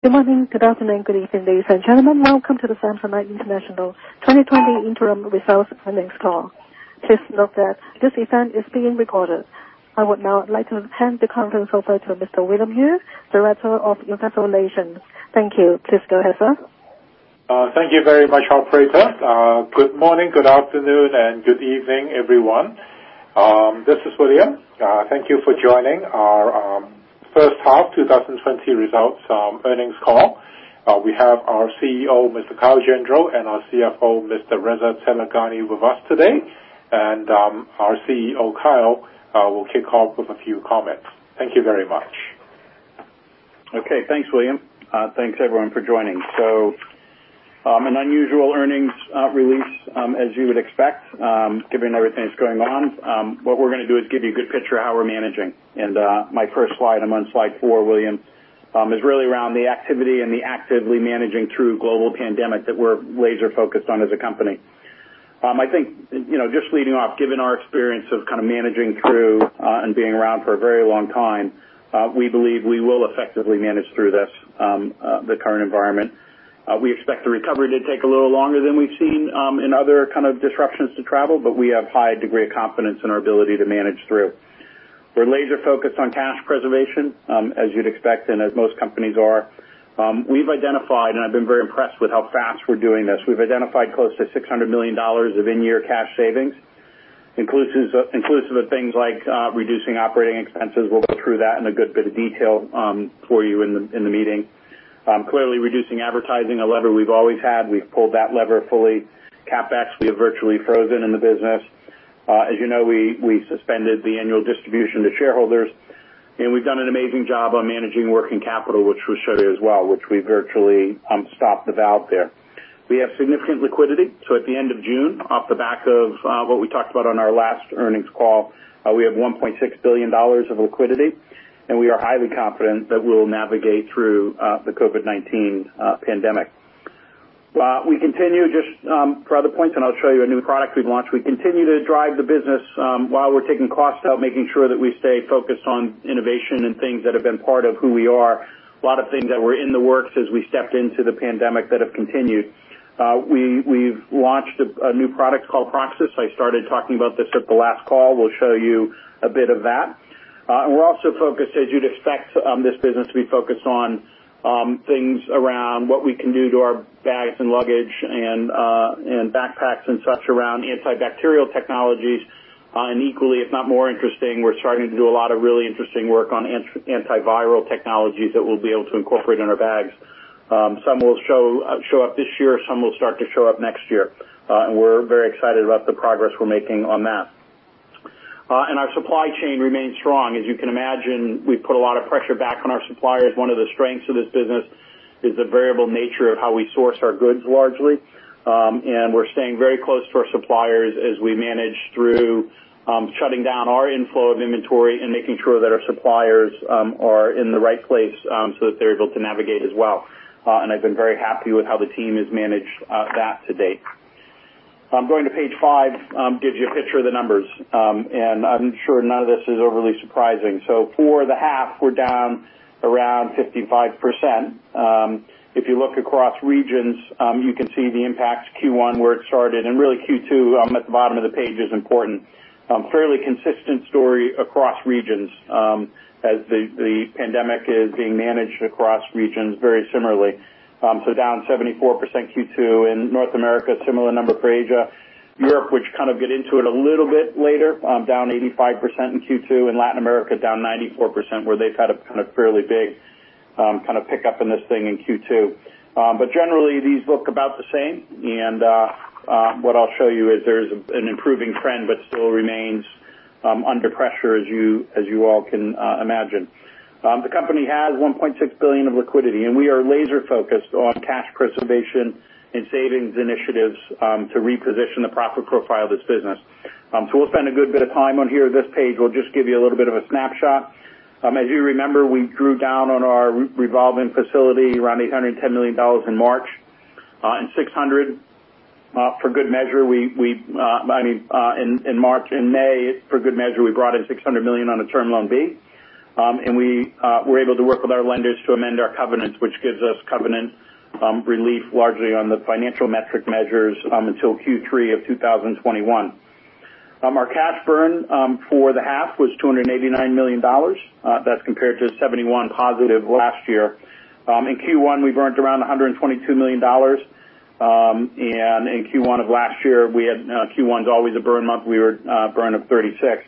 Good morning, good afternoon, good evening, ladies and gentlemen. Welcome to the Samsonite International 2020 interim results earnings call. Please note that this event is being recorded. I would now like to hand the conference over to Mr. William Yue, Director of Investor Relations. Thank you. Please go ahead, sir. Thank you very much, operator. Good morning, good afternoon, and good evening, everyone. This is William. Thank you for joining our first half 2020 results earnings call. We have our CEO, Mr. Kyle Gendreau, and our CFO, Mr. Reza Taleghani, with us today. Our CEO, Kyle, will kick off with a few comments. Thank you very much. Okay. Thanks, William. Thanks, everyone, for joining. An unusual earnings release, as you would expect, given everything that's going on. What we're going to do is give you a good picture of how we're managing. My first slide, I'm on slide four, William, is really around the activity and the actively managing through global pandemic that we're laser-focused on as a company. I think, just leading off, given our experience of managing through and being around for a very long time, we believe we will effectively manage through the current environment. We expect the recovery to take a little longer than we've seen in other disruptions to travel, but we have a high degree of confidence in our ability to manage through. We're laser-focused on cash preservation, as you'd expect and as most companies are. We've identified, and I've been very impressed with how fast we're doing this. We've identified close to $600 million of in-year cash savings, inclusive of things like reducing operating expenses. We'll go through that in a good bit of detail for you in the meeting. Clearly, reducing advertising, a lever we've always had, we've pulled that lever fully. CapEx, we have virtually frozen in the business. As you know, we suspended the annual distribution to shareholders, and we've done an amazing job on managing working capital, which we'll show you as well, which we virtually stopped the valve there. We have significant liquidity. At the end of June, off the back of what we talked about on our last earnings call, we have $1.6 billion of liquidity, and we are highly confident that we'll navigate through the COVID-19 pandemic. We continue just for other points, and I'll show you a new product we've launched. We continue to drive the business while we're taking costs out, making sure that we stay focused on innovation and things that have been part of who we are. A lot of things that were in the works as we stepped into the pandemic that have continued. We've launched a new product called Proxis. I started talking about this at the last call. We'll show you a bit of that. We're also focused, as you'd expect, this business to be focused on things around what we can do to our bags and luggage and backpacks and such around antibacterial technologies. Equally, if not more interesting, we're starting to do a lot of really interesting work on antiviral technologies that we'll be able to incorporate in our bags. Some will show up this year, some will start to show up next year. We're very excited about the progress we're making on that. Our supply chain remains strong. As you can imagine, we put a lot of pressure back on our suppliers. One of the strengths of this business is the variable nature of how we source our goods largely. We're staying very close to our suppliers as we manage through shutting down our inflow of inventory and making sure that our suppliers are in the right place so that they're able to navigate as well. I've been very happy with how the team has managed that to date. I'm going to page five, gives you a picture of the numbers. I'm sure none of this is overly surprising. For the half, we're down around 55%. If you look across regions, you can see the impacts, Q1, where it started, and really Q2 at the bottom of the page is important. Fairly consistent story across regions as the pandemic is being managed across regions very similarly. Down 74% Q2 in North America, similar number for Asia. Europe, which get into it a little bit later, down 85% in Q2, and Latin America down 94%, where they've had a fairly big pickup in this thing in Q2. Generally, these look about the same, and what I'll show you is there's an improving trend but still remains under pressure as you all can imagine. The company has $1.6 billion of liquidity, and we are laser-focused on cash preservation and savings initiatives to reposition the profit profile of this business. We'll spend a good bit of time on here. This page will just give you a little bit of a snapshot. As you remember, we drew down on our revolving facility around $810 million in March and May, for good measure, we brought in $600 million on a Term Loan B. We were able to work with our lenders to amend our covenants, which gives us covenant relief largely on the financial metric measures until Q3 of 2021. Our cash burn for the half was $289 million. That's compared to $71 positive last year. In Q1, we burnt around $122 million. In Q1 of last year, Q1's always a burn month, we were burn of $36.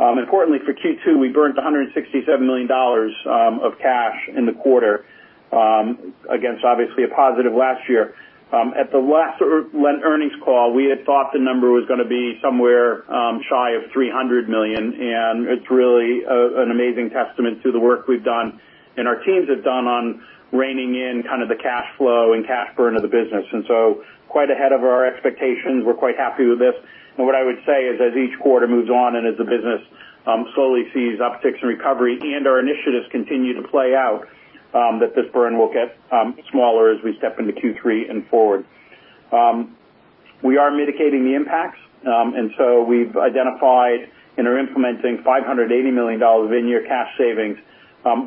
Importantly, for Q2, we burnt $167 million of cash in the quarter against obviously a positive last year. At the last earnings call, we had thought the number was going to be somewhere shy of $300 million. It's really an amazing testament to the work we've done and our teams have done on reining in the cash flow and cash burn of the business. Quite ahead of our expectations. We're quite happy with this. What I would say is as each quarter moves on and as the business slowly sees upticks in recovery and our initiatives continue to play out, that this burn will get smaller as we step into Q3 and forward. We are mitigating the impacts. We've identified and are implementing $580 million of in-year cash savings.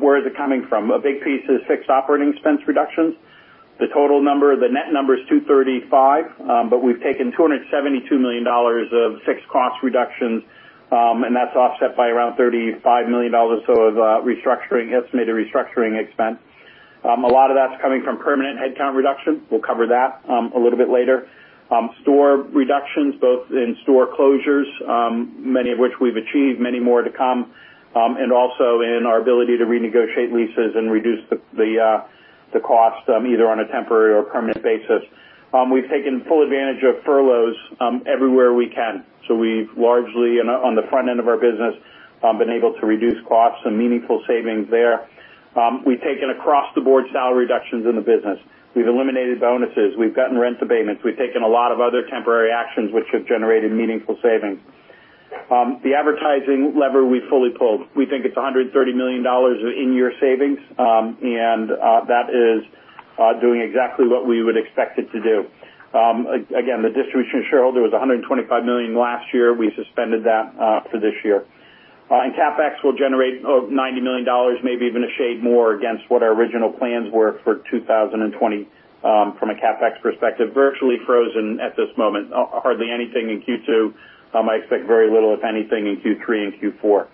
Where is it coming from? A big piece is fixed operating expense reductions. The total number, the net number is $235 million. We've taken $272 million of fixed cost reductions, that's offset by around $35 million or so of estimated restructuring expense. A lot of that's coming from permanent headcount reduction. We'll cover that a little bit later. Store reductions, both in store closures, many of which we've achieved, many more to come, and also in our ability to renegotiate leases and reduce the cost, either on a temporary or permanent basis. We've taken full advantage of furloughs everywhere we can. We've largely, on the front end of our business, been able to reduce costs and meaningful savings there. We've taken across-the-board salary reductions in the business. We've eliminated bonuses. We've gotten rent abatements. We've taken a lot of other temporary actions which have generated meaningful savings. The advertising lever we fully pulled. We think it's $130 million in year savings. That is doing exactly what we would expect it to do. Again, the distribution shareholder was $125 million last year. We suspended that for this year. CapEx will generate $90 million, maybe even a shade more against what our original plans were for 2020 from a CapEx perspective, virtually frozen at this moment. Hardly anything in Q2. I expect very little, if anything, in Q3 and Q4.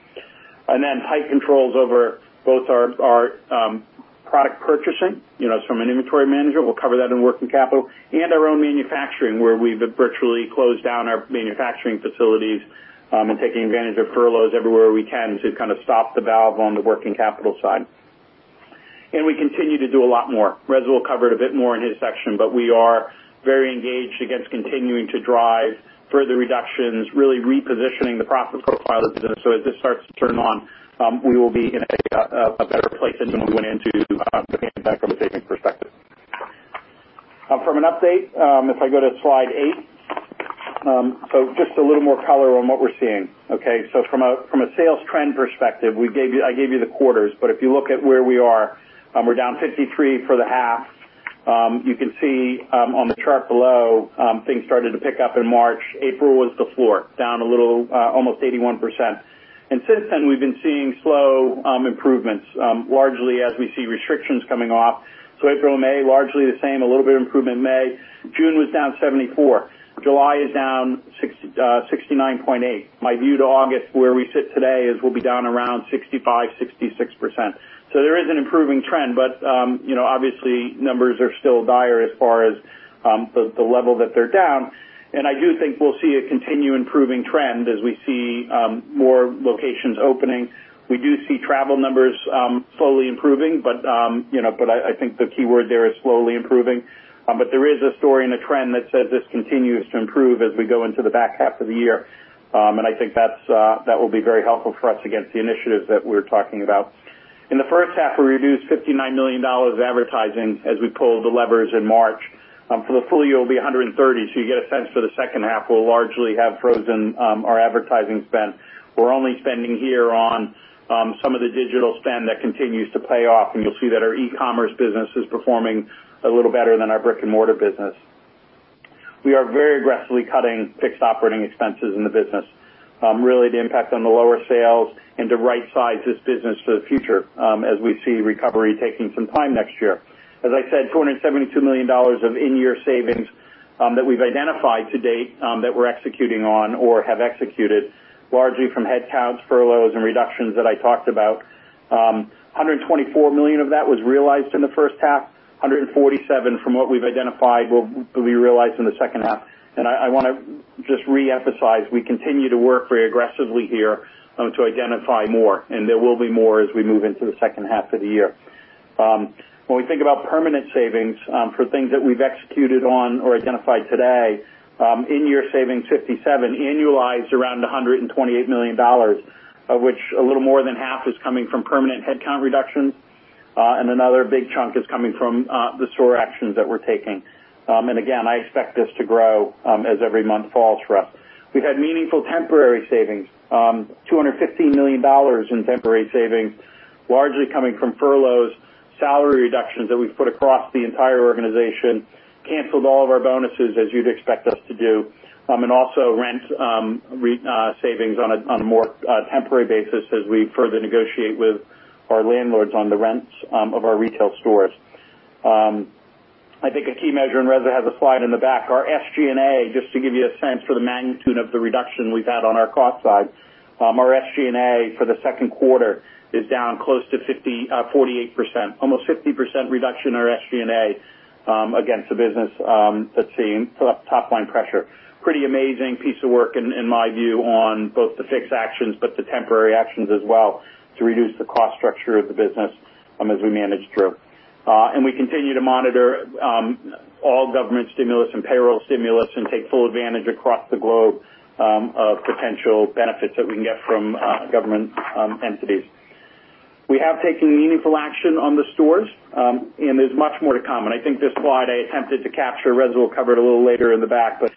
Then tight controls over both our product purchasing, from an inventory manager, we'll cover that in working capital, and our own manufacturing, where we've virtually closed down our manufacturing facilities and taking advantage of furloughs everywhere we can to kind of stop the valve on the working capital side. We continue to do a lot more. Reza will cover it a bit more in his section, but we are very engaged against continuing to drive further reductions, really repositioning the profit profile of the business so as it starts to turn on, we will be in a better place than when we went into the pandemic from a savings perspective. From an update, if I go to slide eight, just a little more color on what we're seeing. Okay, from a sales trend perspective, I gave you the quarters, but if you look at where we are, we're down 53% for the half. You can see on the chart below, things started to pick up in March. April was the floor, down a little, almost 81%. Since then, we've been seeing slow improvements, largely as we see restrictions coming off. April and May, largely the same, a little bit of improvement in May. June was down 74%. July is down 69.8%. My view to August, where we sit today, is we'll be down around 65%, 66%. There is an improving trend, but obviously numbers are still dire as far as the level that they're down. I do think we'll see a continue improving trend as we see more locations opening. We do see travel numbers slowly improving, but I think the key word there is slowly improving. There is a story and a trend that says this continues to improve as we go into the back half of the year. I think that will be very helpful for us against the initiatives that we're talking about. In the first half, we reduced $59 million of advertising as we pulled the levers in March. For the full year, it'll be $130 million. You get a sense for the second half, we'll largely have frozen our advertising spend. We're only spending here on some of the digital spend that continues to pay off. You'll see that our e-commerce business is performing a little better than our brick-and-mortar business. We are very aggressively cutting fixed operating expenses in the business. Really the impact on the lower sales and to right-size this business for the future as we see recovery taking some time next year. As I said, $272 million of in-year savings that we've identified to date that we're executing on or have executed, largely from headcounts, furloughs, and reductions that I talked about. $124 million of that was realized in the first half, $147 million from what we've identified will be realized in the second half. I want to just reemphasize, we continue to work very aggressively here to identify more, and there will be more as we move into the second half of the year. When we think about permanent savings for things that we've executed on or identified today, in-year savings $57 million, annualized around $128 million, of which a little more than half is coming from permanent headcount reductions, and another big chunk is coming from the store actions that we're taking. Again, I expect this to grow as every month falls for us. We've had meaningful temporary savings, $215 million in temporary savings, largely coming from furloughs, salary reductions that we've put across the entire organization, canceled all of our bonuses as you'd expect us to do, and also rent savings on a more temporary basis as we further negotiate with our landlords on the rents of our retail stores. I think a key measure, and Reza has a slide in the back, our SG&A, just to give you a sense for the magnitude of the reduction we've had on our cost side. Our SG&A for the second quarter is down close to 48%, almost 50% reduction in our SG&A against the business that's seeing top-line pressure. Pretty amazing piece of work in my view on both the fixed actions, but the temporary actions as well to reduce the cost structure of the business as we manage through. We continue to monitor all government stimulus and payroll stimulus and take full advantage across the globe of potential benefits that we can get from government entities. We have taken meaningful action on the stores, and there's much more to come. I think this slide I attempted to capture, Reza will cover it a little later in the back, but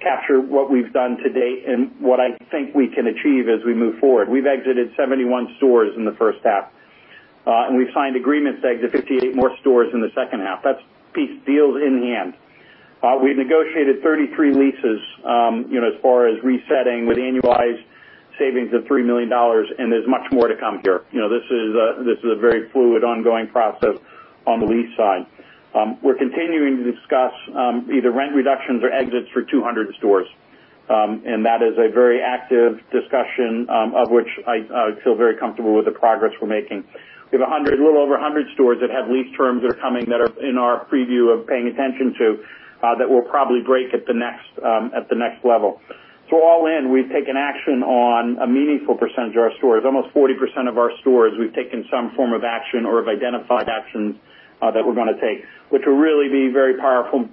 capture what we've done to date and what I think we can achieve as we move forward. We've exited 71 stores in the first half. We've signed agreements to exit 58 more stores in the second half. That's deals in hand. We've negotiated 33 leases as far as resetting with annualized savings of $3 million, and there's much more to come here. This is a very fluid, ongoing process on the lease side. We're continuing to discuss either rent reductions or exits for 200 stores, that is a very active discussion, of which I feel very comfortable with the progress we're making. We have a little over 100 stores that have lease terms that are coming that are in our preview of paying attention to that we'll probably break at the next level. All in, we've taken action on a meaningful percentage of our stores. Almost 40% of our stores, we've taken some form of action or have identified actions that we're going to take, which will really be a very powerful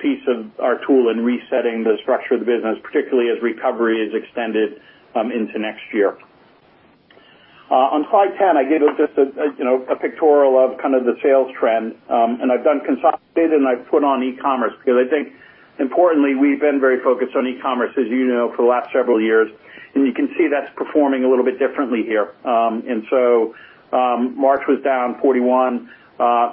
piece of our tool in resetting the structure of the business, particularly as recovery is extended into next year. On slide 10, I gave just a pictorial of the sales trend. I've done consolidated and I've put on e-commerce because I think importantly, we've been very focused on e-commerce, as you know, for the last several years, and you can see that's performing a little bit differently here. March was down 41%,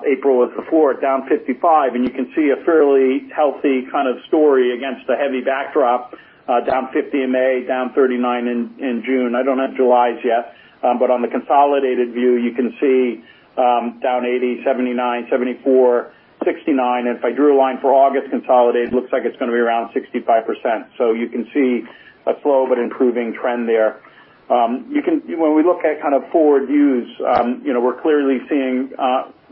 April was the floor, down 55%, and you can see a fairly healthy kind of story against a heavy backdrop, down 50% in May, down 39% in June. I don't have July's yet. On the consolidated view, you can see down 80%, 79%, 74%, 69%. If I drew a line for August consolidated, it looks like it's going to be around 65%. You can see a slow but improving trend there. When we look at forward views, we're clearly seeing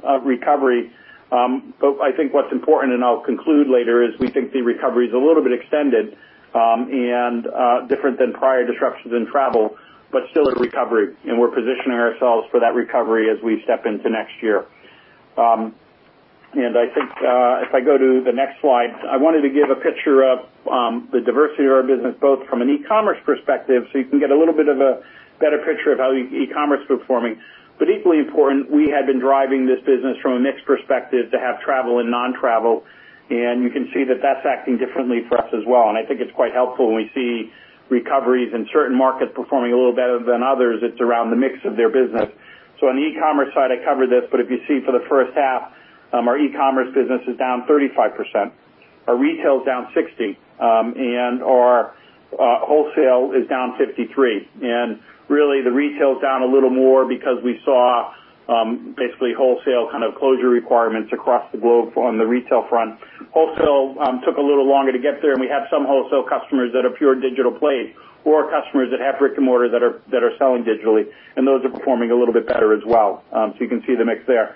a recovery. I think what's important, and I'll conclude later, is we think the recovery is a little bit extended and different than prior disruptions in travel, but still a recovery, and we're positioning ourselves for that recovery as we step into next year. I think if I go to the next slide, I wanted to give a picture of the diversity of our business, both from an e-commerce perspective, so you can get a little bit of a better picture of how e-commerce is performing. Equally important, we had been driving this business from a mix perspective to have travel and non-travel. You can see that that's acting differently for us as well. I think it's quite helpful when we see recoveries in certain markets performing a little better than others. It's around the mix of their business. On the e-commerce side, I covered this, but if you see for the first half, our e-commerce business is down 35%. Our retail is down 60%, and our wholesale is down 53%. Really, the retail is down a little more because we saw basically wholesale closure requirements across the globe on the retail front. Wholesale took a little longer to get there, and we have some wholesale customers that are pure digital plays or customers that have brick and mortar that are selling digitally, and those are performing a little bit better as well. You can see the mix there.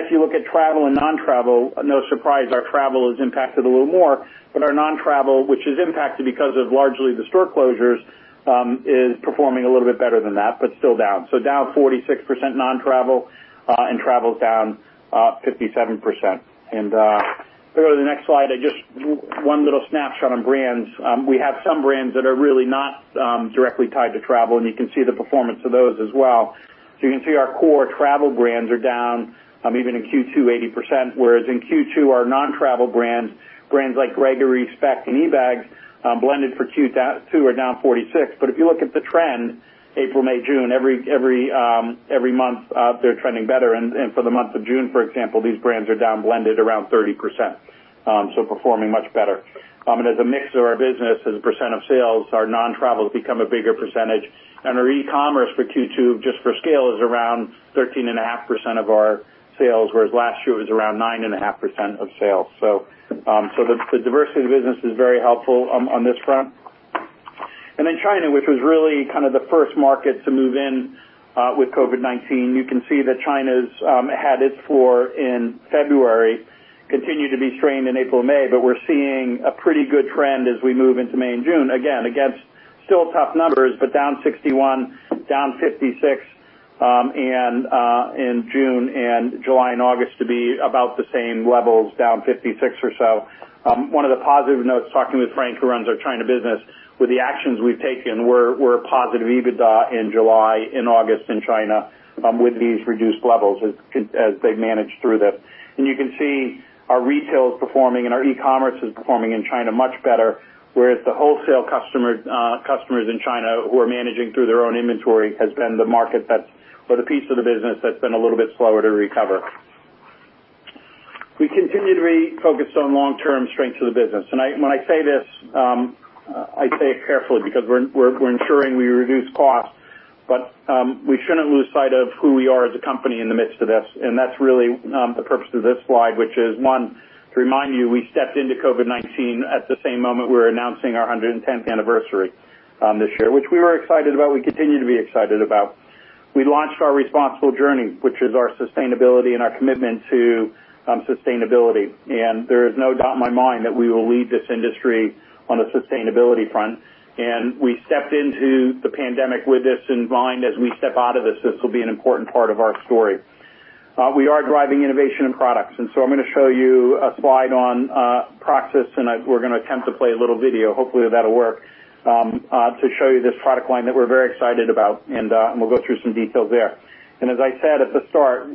If you look at travel and non-travel, no surprise, our travel is impacted a little more, but our non-travel, which is impacted because of largely the store closures, is performing a little bit better than that, but still down. Down 46% non-travel, and travel is down 57%. Go to the next slide, just one little snapshot on brands. We have some brands that are really not directly tied to travel, and you can see the performance of those as well. You can see our core travel brands are down even in Q2, 80%, whereas in Q2, our non-travel brands like Gregory, Speck, and eBags, blended for Q2 are down 46%. If you look at the trend, April, May, June, every month, they're trending better. For the month of June, for example, these brands are down blended around 30%, performing much better. As a mix of our business as a percent of sales, our non-travel has become a bigger percentage. Our e-commerce for Q2, just for scale, is around 13.5% of our sales, whereas last year it was around 9.5% of sales. The diversity of the business is very helpful on this front. China, which was really the first market to move in with COVID-19. You can see that China had its floor in February, continued to be strained in April and May. We're seeing a pretty good trend as we move into May and June, again, against still tough numbers, but down 61%, down 56% in June, and July and August to be about the same levels, down 56% or so. One of the positive notes, talking with Frank, who runs our China business, with the actions we've taken, we're a positive EBITDA in July and August in China with these reduced levels as they've managed through this. You can see our retail is performing and our e-commerce is performing in China much better, whereas the wholesale customers in China who are managing through their own inventory has been the market or the piece of the business that's been a little bit slower to recover. We continue to be focused on long-term strengths of the business. When I say this, I say it carefully because we're ensuring we reduce costs, but we shouldn't lose sight of who we are as a company in the midst of this, and that's really the purpose of this slide, which is, one, to remind you, we stepped into COVID-19 at the same moment we were announcing our 110th anniversary this year, which we were excited about, we continue to be excited about. We launched our responsible journey, which is our sustainability and our commitment to sustainability. There is no doubt in my mind that we will lead this industry on the sustainability front. We stepped into the pandemic with this in mind. As we step out of this will be an important part of our story. We are driving innovation in products, I'm going to show you a slide on Proxis, and we're going to attempt to play a little video. Hopefully, that'll work, to show you this product line that we're very excited about, and we'll go through some details there. As I said at the start,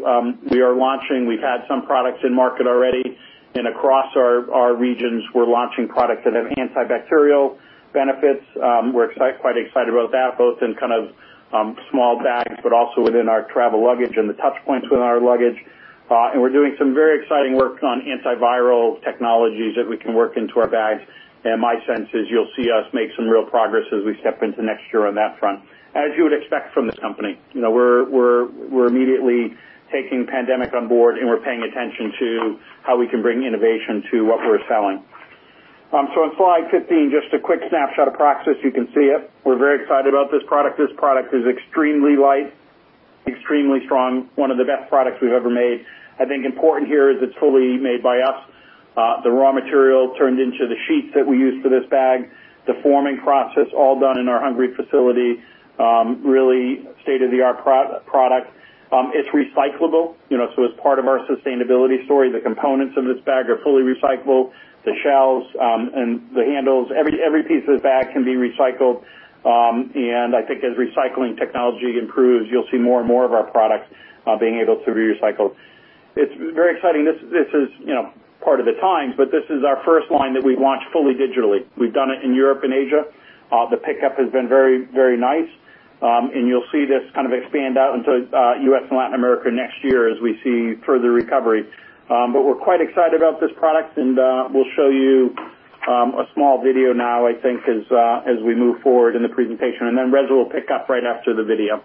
we are launching. We've had some products in market already, and across our regions, we're launching products that have antibacterial benefits. We're quite excited about that, both in small bags, but also within our travel luggage and the touchpoints within our luggage. We're doing some very exciting work on antiviral technologies that we can work into our bags. My sense is you'll see us make some real progress as we step into next year on that front. As you would expect from this company, we're immediately taking pandemic on board, and we're paying attention to how we can bring innovation to what we're selling. On slide 15, just a quick snapshot of Proxis. You can see it. We're very excited about this product. This product is extremely light, extremely strong, one of the best products we've ever made. I think important here is it's fully made by us. The raw material turned into the sheets that we use for this bag, the forming process, all done in our Hungary facility, really state-of-the-art product. It's recyclable. As part of our sustainability story, the components of this bag are fully recyclable. The shells and the handles, every piece of the bag can be recycled. I think as recycling technology improves, you'll see more and more of our products being able to be recycled. It's very exciting. This is part of the times, this is our first line that we've launched fully digitally. We've done it in Europe and Asia. The pickup has been very nice. You'll see this expand out into U.S. and Latin America next year as we see further recovery. We're quite excited about this product, and we'll show you a small video now, I think, as we move forward in the presentation, and then Reza will pick up right after the video.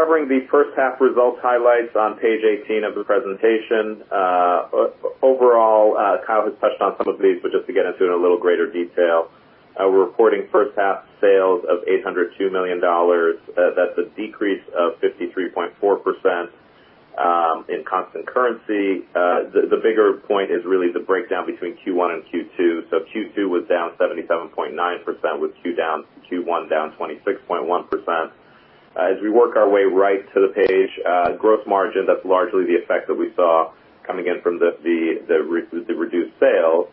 We're covering the first half results highlights on page 18 of the presentation. Overall, Kyle has touched on some of these, but just to get into in a little greater detail. We're reporting first half sales of $802 million. That's a decrease of 53.4% in constant currency. The bigger point is really the breakdown between Q1 and Q2. Q2 was down 77.9%, with Q1 down 26.1%. As we work our way right to the page, gross margin, that's largely the effect that we saw coming in from the reduced sales.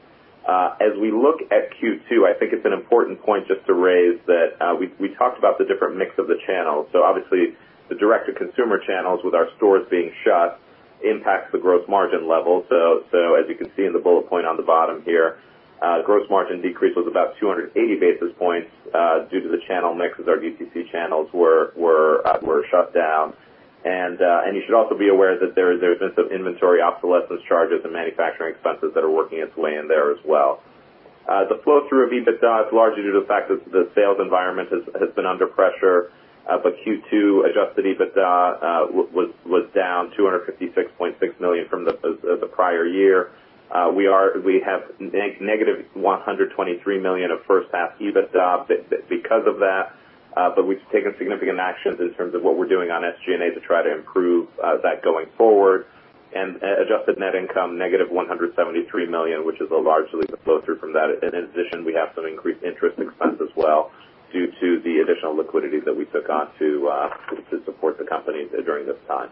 As we look at Q2, I think it's an important point just to raise that we talked about the different mix of the channels. Obviously, the direct-to-consumer channels with our stores being shut impacts the gross margin level. As you can see in the bullet point on the bottom here, gross margin decrease was about 280 basis points due to the channel mix as our DTC channels were shut down. You should also be aware that there's this inventory obsolescence charges and manufacturing expenses that are working its way in there as well. The flow-through of EBITDA is largely due to the fact that the sales environment has been under pressure. Q2 adjusted EBITDA was down $256.6 million from the prior year. We have -$123 million of first half EBITDA because of that. We've taken significant actions in terms of what we're doing on SG&A to try to improve that going forward. Adjusted net income, -$173 million, which is largely the flow-through from that. In addition, we have some increased interest expense as well due to the additional liquidity that we took on to support the company during this time.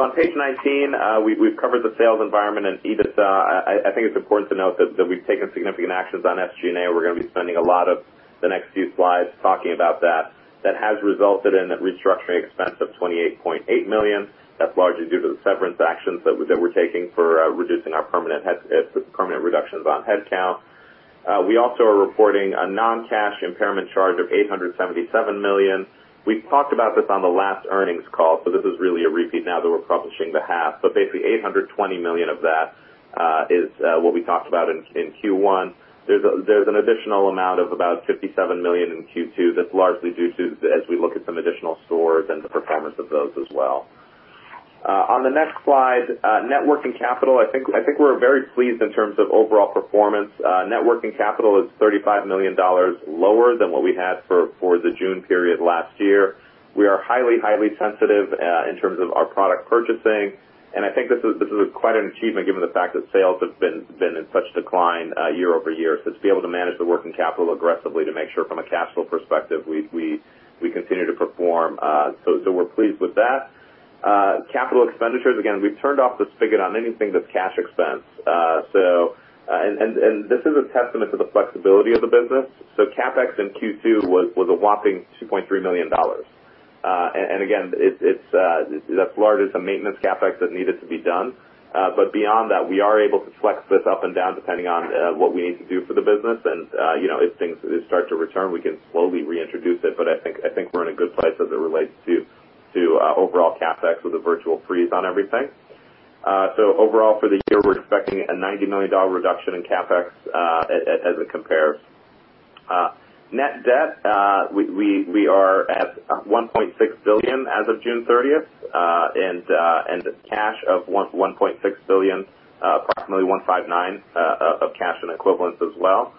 On page 19, we've covered the sales environment and EBITDA. I think it's important to note that we've taken significant actions on SG&A. We're going to be spending a lot of the next few slides talking about that. That has resulted in a restructuring expense of $28.8 million. That's largely due to the severance actions that we're taking for reducing our permanent reductions on headcount. We also are reporting a non-cash impairment charge of $877 million. We talked about this on the last earnings call, this is really a repeat now that we're publishing the half. Basically, $820 million of that is what we talked about in Q1. There's an additional amount of about $57 million in Q2 that's largely due to as we look at some additional stores and the performance of those as well. On the next slide, net working capital. I think we're very pleased in terms of overall performance. Net working capital is $35 million lower than what we had for the June period last year. We are highly sensitive in terms of our product purchasing, and I think this is quite an achievement given the fact that sales have been in such decline year-over-year, to be able to manage the working capital aggressively to make sure from a cash flow perspective, we continue to perform. We're pleased with that. Capital expenditures, again, we've turned off the spigot on anything that's cash expense. This is a testament to the flexibility of the business. CapEx in Q2 was a whopping $2.3 million. Again, the largest maintenance CapEx that needed to be done. Beyond that, we are able to flex this up and down depending on what we need to do for the business. If things start to return, we can slowly reintroduce it, but I think we're in a good place as it relates to overall CapEx with a virtual freeze on everything. Overall for the year, we're expecting a $90 million reduction in CapEx as it compares. Net debt, we are at $1.6 billion as of June 30th, and cash of $1.6 billion, approximately $1.59 billion of cash and equivalents as well.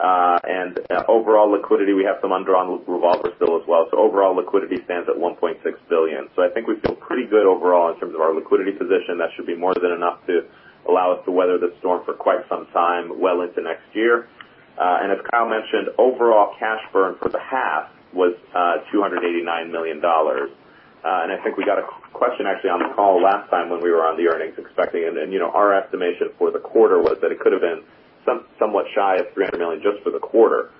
Overall liquidity, we have some undrawn revolver still as well. Overall liquidity stands at $1.6 billion. I think we feel pretty good overall in terms of our liquidity position. That should be more than enough to allow us to weather the storm for quite some time well into next year. As Kyle mentioned, overall cash burn for the half was $289 million. I think we got a question actually on the call last time when we were on the earnings expecting, and our estimation for the quarter was that it could have been somewhat shy of $300 million just for the quarter.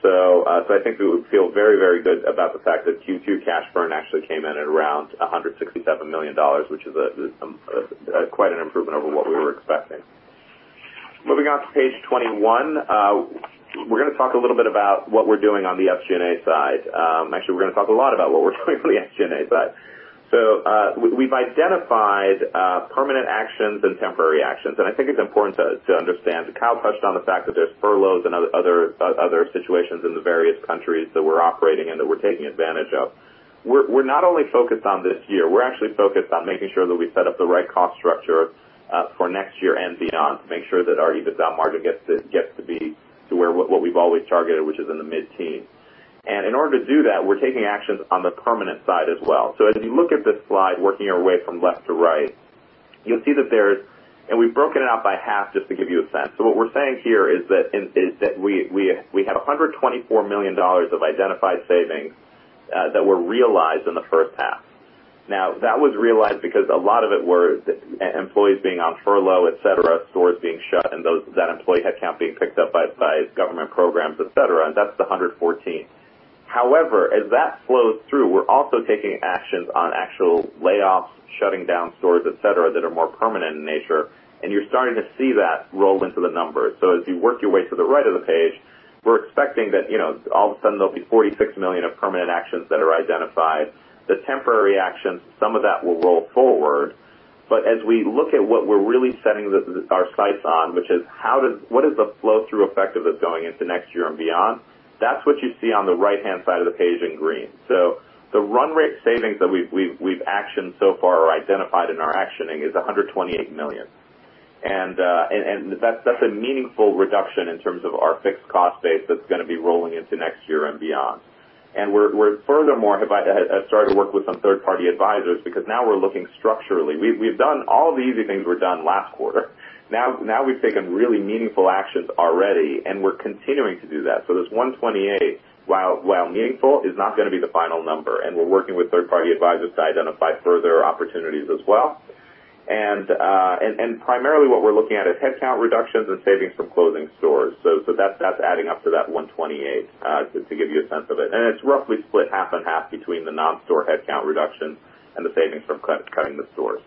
I think we feel very, very good about the fact that Q2 cash burn actually came in at around $167 million, which is quite an improvement over what we were expecting. Moving on to page 21, we're going to talk a little bit about what we're doing on the SG&A side. Actually, we're going to talk a lot about what we're doing on the SG&A side. We've identified permanent actions and temporary actions, and I think it's important to understand. Kyle touched on the fact that there's furloughs and other situations in the various countries that we're operating in that we're taking advantage of. We're not only focused on this year. We're actually focused on making sure that we set up the right cost structure for next year and beyond to make sure that our EBITDA margin gets to be to what we've always targeted, which is in the mid-teens. In order to do that, we're taking actions on the permanent side as well. As you look at this slide, working our way from left to right, and we've broken it out by half just to give you a sense. What we're saying here is that we had $124 million of identified savings that were realized in the first half. Now, that was realized because a lot of it were employees being on furlough, et cetera, stores being shut, and that employee headcount being picked up by government programs, et cetera, and that's the $114. As that flows through, we're also taking actions on actual layoffs, shutting down stores, et cetera, that are more permanent in nature, and you're starting to see that rolled into the numbers. As you work your way to the right of the page, we're expecting that all of a sudden there'll be $46 million of permanent actions that are identified. The temporary actions, some of that will roll forward. As we look at what we're really setting our sights on, which is what is the flow-through effect of this going into next year and beyond, that's what you see on the right-hand side of the page in green. The run rate savings that we've actioned so far or identified in our actioning is $128 million. That's a meaningful reduction in terms of our fixed cost base that's going to be rolling into next year and beyond. We're furthermore have started to work with some third-party advisors because now we're looking structurally. All the easy things were done last quarter. We've taken really meaningful actions already, and we're continuing to do that. This $128 million, while meaningful, is not going to be the final number, and we're working with third-party advisors to identify further opportunities as well. Primarily what we're looking at is headcount reductions and savings from closing stores. That's adding up to that $128 million, just to give you a sense of it. It's roughly split half and half between the non-store headcount reduction and the savings from cutting the stores.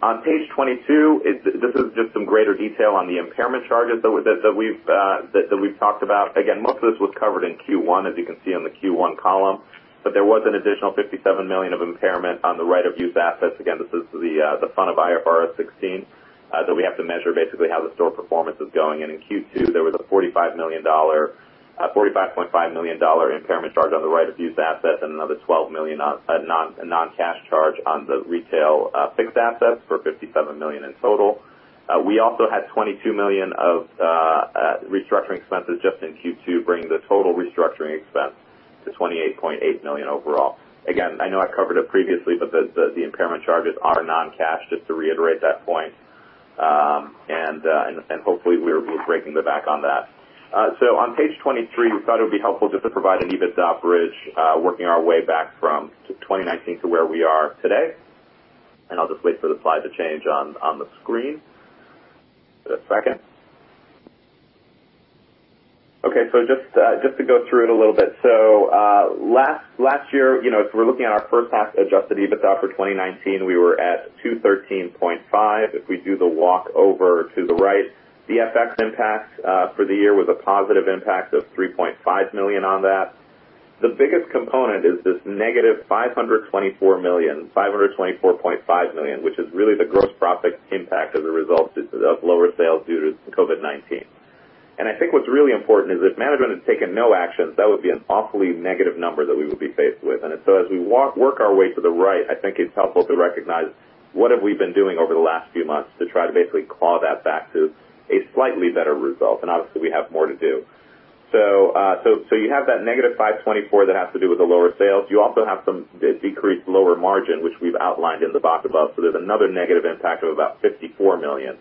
On page 22, this is just some greater detail on the impairment charges that we've talked about. Most of this was covered in Q1, as you can see on the Q1 column. There was an additional $57 million of impairment on the right of use assets. This is the fun of IFRS 16, that we have to measure basically how the store performance is going. In Q2, there was a $45.5 million impairment charge on the right of use assets and another $12 million on non-cash charge on the retail fixed assets for $57 million in total. We also had $22 million of restructuring expenses just in Q2, bringing the total restructuring expense to $28.8 million overall. I know I covered it previously, the impairment charges are non-cash, just to reiterate that point. Hopefully we're breaking the back on that. On page 23, we thought it would be helpful just to provide an EBITDA bridge working our way back from 2019 to where we are today. I'll just wait for the slide to change on the screen for a second. Okay, so just to go through it a little bit. Last year, if we're looking at our first half adjusted EBITDA for 2019, we were at $213.5 million. If we do the walk over to the right, the FX impact for the year was a positive impact of $3.5 million on that. The biggest component is this -$524.5 million, which is really the gross profit impact as a result of lower sales due to COVID-19. I think what's really important is if management had taken no actions, that would be an awfully negative number that we would be faced with. As we work our way to the right, I think it's helpful to recognize what have we been doing over the last few months to try to basically claw that back to a slightly better result, and obviously, we have more to do. You have that -$524 million that has to do with the lower sales. You also have some decreased lower margin, which we've outlined in the box above. There's another negative impact of about $54 million.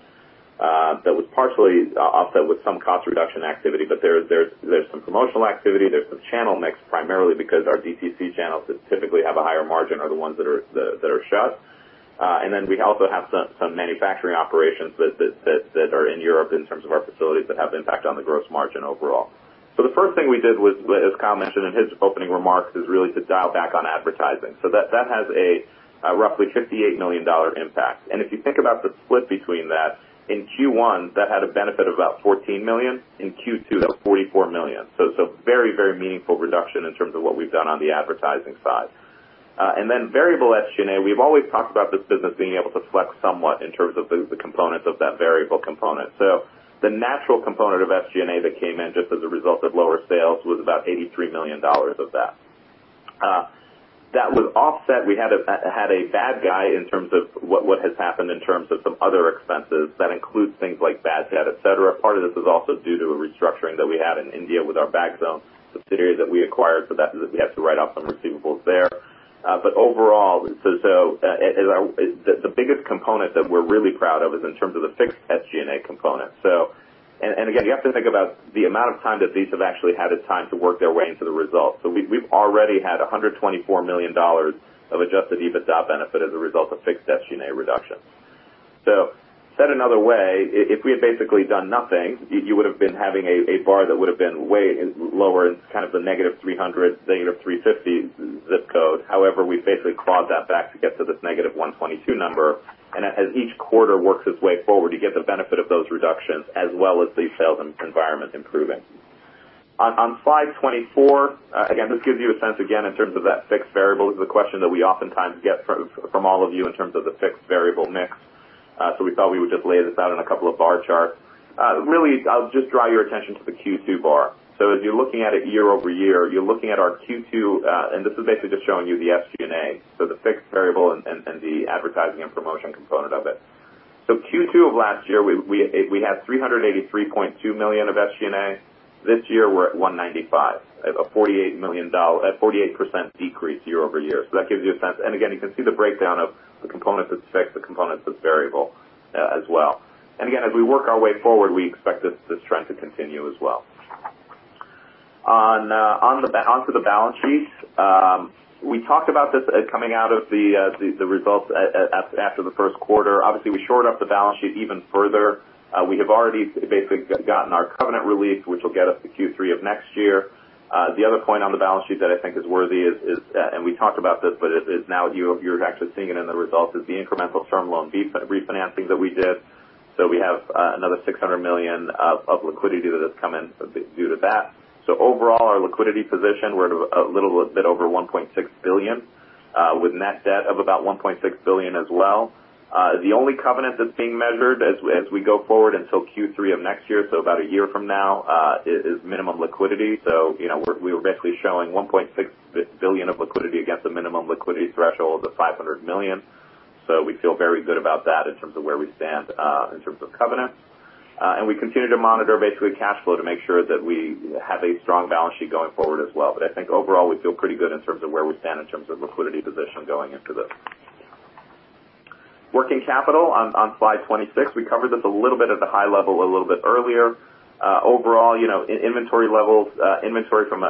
That was partially offset with some cost reduction activity. There's some promotional activity. There's some channel mix, primarily because our DTC channels that typically have a higher margin are the ones that are shut. Then we also have some manufacturing operations that are in Europe in terms of our facilities that have impact on the gross margin overall. The first thing we did was, as Kyle mentioned in his opening remarks, is really to dial back on advertising. That has a roughly $58 million impact. If you think about the split between that, in Q1, that had a benefit of about $14 million. In Q2, that was $44 million. It's a very meaningful reduction in terms of what we've done on the advertising side. Variable SG&A, we've always talked about this business being able to flex somewhat in terms of the components of that variable component. The natural component of SG&A that came in just as a result of lower sales was about $83 million of that. That was offset. We had a bad guy in terms of what has happened in terms of some other expenses. That includes things like bad debt, et cetera. Part of this is also due to a restructuring that we had in India with our Bagzone subsidiary that we acquired, so we had to write off some receivables there. Overall, the biggest component that we're really proud of is in terms of the fixed SG&A component. Again, you have to think about the amount of time that these have actually had as time to work their way into the results. We've already had $124 million of adjusted EBITDA benefit as a result of fixed SG&A reduction. Said another way, if we had basically done nothing, you would have been having a bar that would have been way lower in kind of the -300, -350 ZIP code. However, we've basically clawed that back to get to this 122 number. As each quarter works its way forward, you get the benefit of those reductions as well as the sales environment improving. On slide 24, this gives you a sense, in terms of that fixed variable is the question that we oftentimes get from all of you in terms of the fixed variable mix. We thought we would just lay this out in a couple of bar charts. Really, I'll just draw your attention to the Q2 bar. As you're looking at it year-over-year, you're looking at our Q2, and this is basically just showing you the SG&A, so the fixed variable and the advertising and promotion component of it. Q2 of last year, we had $383.2 million of SG&A. This year, we're at $195 million, a 48% decrease year-over-year. That gives you a sense. You can see the breakdown of the components that's fixed, the components that's variable as well. Again, as we work our way forward, we expect this trend to continue as well. Onto the balance sheet. We talked about this coming out of the results after the first quarter. Obviously, we shored up the balance sheet even further. We have already basically gotten our covenant relief, which will get us to Q3 of next year. The other point on the balance sheet that I think is worthy is, and we talked about this, but now you're actually seeing it in the results, is the incremental Term Loan refinancing that we did. We have another $600 million of liquidity that has come in due to that. Overall, our liquidity position, we're a little bit over $1.6 billion, with net debt of about $1.6 billion as well. The only covenant that's being measured as we go forward until Q3 of next year, so about a year from now, is minimum liquidity. We're basically showing $1.6 billion of liquidity against a minimum liquidity threshold of $500 million. We feel very good about that in terms of where we stand in terms of covenant. We continue to monitor basically cash flow to make sure that we have a strong balance sheet going forward as well. I think overall, we feel pretty good in terms of where we stand in terms of liquidity position going into this. Working capital on slide 26. We covered this a little bit at the high level a little bit earlier. Overall, inventory from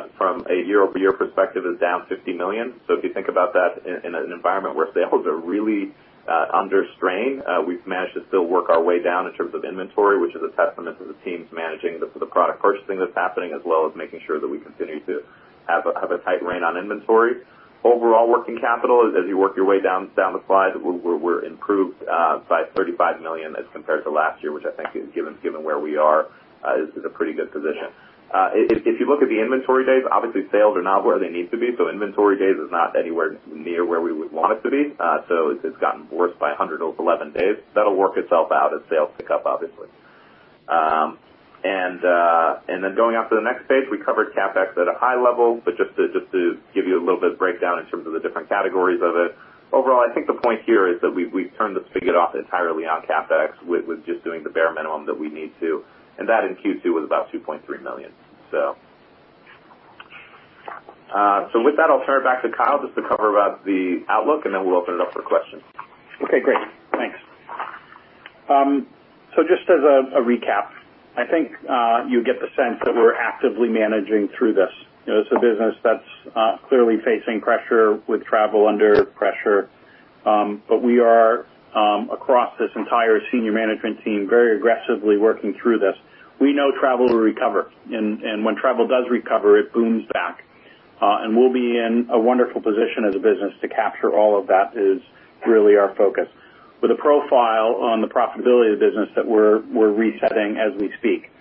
a year-over-year perspective is down $50 million. If you think about that in an environment where sales are really under strain, we've managed to still work our way down in terms of inventory, which is a testament to the teams managing the product purchasing that's happening, as well as making sure that we continue to have a tight rein on inventory. Overall working capital, as you work your way down the slide, we're improved by $35 million as compared to last year, which I think given where we are, is a pretty good position. If you look at the inventory days, obviously sales are not where they need to be, so inventory days is not anywhere near where we would want it to be. It's gotten worse by 111 days. That'll work itself out as sales pick up, obviously. Then going on to the next page, we covered CapEx at a high level, but just to give you a little bit of breakdown in terms of the different categories of it. Overall, I think the point here is that we've turned the spigot off entirely on CapEx with just doing the bare minimum that we need to, and that in Q2 was about $2.3 million. With that, I'll turn it back to Kyle just to cover about the outlook, and then we'll open it up for questions. Okay, great. Thanks. Just as a recap, I think you get the sense that we're actively managing through this. It's a business that's clearly facing pressure with travel under pressure. We are, across this entire senior management team, very aggressively working through this. We know travel will recover, and when travel does recover, it booms back. We'll be in a wonderful position as a business to capture all of that is really our focus, with a profile on the profitability of the business that we're resetting as we speak.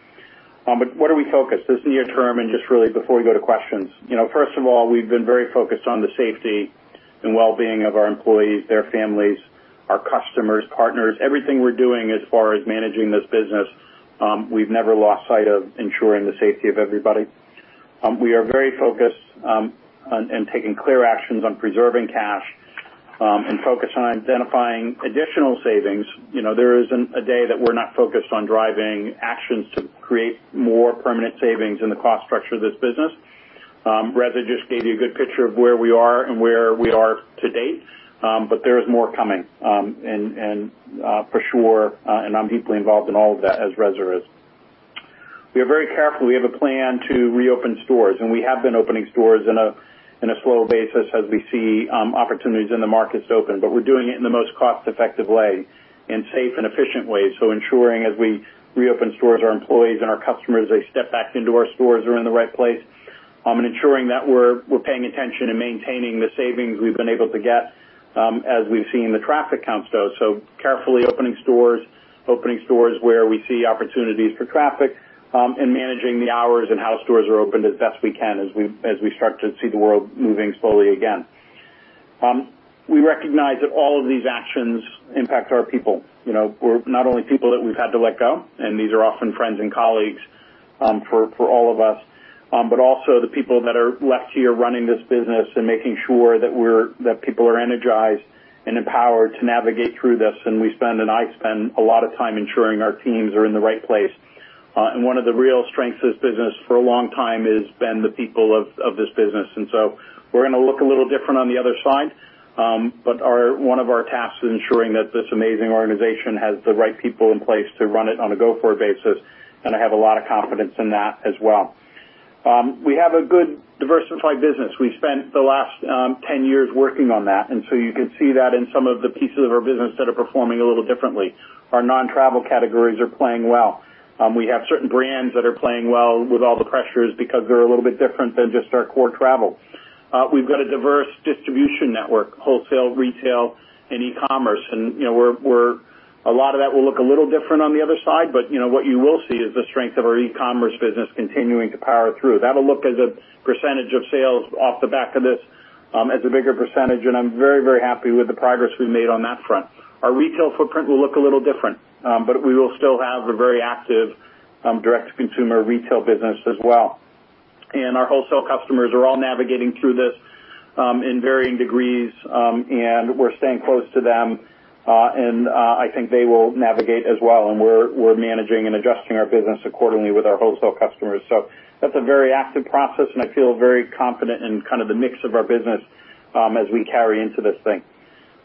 What are we focused? This is near term and just really before we go to questions. First of all, we've been very focused on the safety and well-being of our employees, their families, our customers, partners. Everything we're doing as far as managing this business, we've never lost sight of ensuring the safety of everybody. We are very focused on taking clear actions on preserving cash and focused on identifying additional savings. There isn't a day that we're not focused on driving actions to create more permanent savings in the cost structure of this business. Reza just gave you a good picture of where we are and where we are to date. There is more coming, and for sure, and I'm deeply involved in all of that as Reza is. We are very careful. We have a plan to reopen stores, and we have been opening stores in a slow basis as we see opportunities in the markets open. We're doing it in the most cost-effective way, in safe and efficient ways. Ensuring as we reopen stores, our employees and our customers, as they step back into our stores, are in the right place, and ensuring that we're paying attention and maintaining the savings we've been able to get as we've seen the traffic counts though. Carefully opening stores, opening stores where we see opportunities for traffic, and managing the hours and how stores are opened as best we can as we start to see the world moving slowly again. We recognize that all of these actions impact our people. Not only people that we've had to let go, and these are often friends and colleagues for all of us, but also the people that are left here running this business and making sure that people are energized and empowered to navigate through this. We spend, and I spend a lot of time ensuring our teams are in the right place. One of the real strengths of this business for a long time has been the people of this business. We're going to look a little different on the other side. One of our tasks is ensuring that this amazing organization has the right people in place to run it on a go-forward basis, and I have a lot of confidence in that as well. We have a good diversified business. We've spent the last 10 years working on that, and so you can see that in some of the pieces of our business that are performing a little differently. Our non-travel categories are playing well. We have certain brands that are playing well with all the pressures because they're a little bit different than just our core travel. We've got a diverse distribution network, wholesale, retail, and e-commerce, and a lot of that will look a little different on the other side. What you will see is the strength of our e-commerce business continuing to power through. That'll look as a percentage of sales off the back of this as a bigger percentage, and I'm very happy with the progress we've made on that front. Our retail footprint will look a little different. We will still have a very active direct-to-consumer retail business as well. Our wholesale customers are all navigating through this in varying degrees. We're staying close to them. I think they will navigate as well. We're managing and adjusting our business accordingly with our wholesale customers. That's a very active process, and I feel very confident in kind of the mix of our business as we carry into this thing.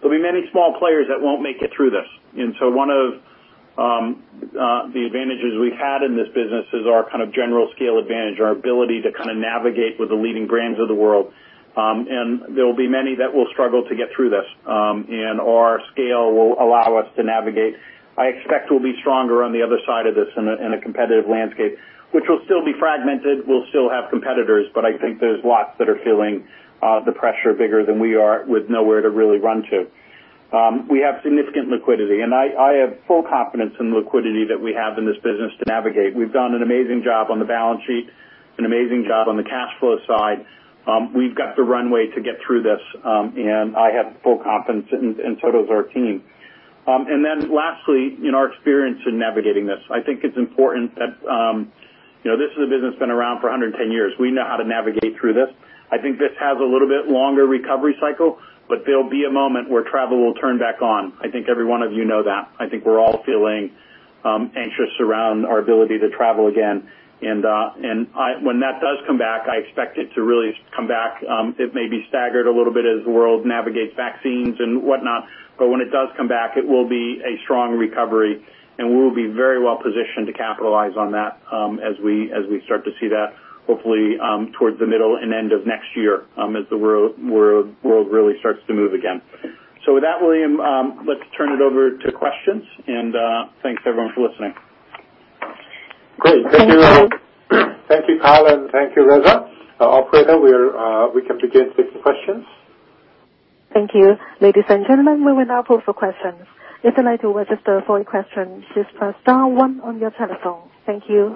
There'll be many small players that won't make it through this, one of the advantages we've had in this business is our kind of general scale advantage, our ability to kind of navigate with the leading brands of the world. There will be many that will struggle to get through this. Our scale will allow us to navigate. I expect we'll be stronger on the other side of this in a competitive landscape, which will still be fragmented. We'll still have competitors, I think there's lots that are feeling the pressure bigger than we are with nowhere to really run to. We have significant liquidity, and I have full confidence in the liquidity that we have in this business to navigate. We've done an amazing job on the balance sheet, an amazing job on the cash flow side. We've got the runway to get through this, and I have full confidence, and so does our team. Lastly, our experience in navigating this. I think it's important that this is a business that's been around for 110 years. We know how to navigate through this. I think this has a little bit longer recovery cycle, but there'll be a moment where travel will turn back on. I think every one of you know that. I think we're all feeling anxious around our ability to travel again. When that does come back, I expect it to really come back, it may be staggered a little bit as the world navigates vaccines and whatnot, but when it does come back, it will be a strong recovery, and we will be very well positioned to capitalize on that as we start to see that hopefully towards the middle and end of next year as the world really starts to move again. With that, William, let's turn it over to questions, and thanks, everyone, for listening. Great. Thank you, Kyle, and thank you, Reza. Operator, we can begin taking questions. Thank you. Ladies and gentlemen, we will now open for questions. If you like to ask a question just press star one on your telephone. Thank you.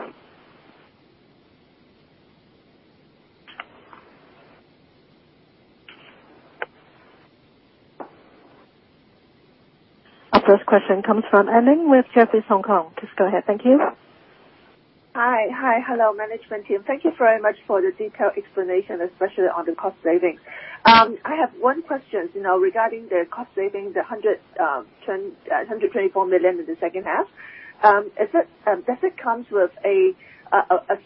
Our first question comes from Ellen with Jefferies Hong Kong. Please go ahead. Thank you. Hi. Hello, management team. Thank you very much for the detailed explanation, especially on the cost savings. I have one question regarding the cost savings, the $124 million in the second half. Does it come with a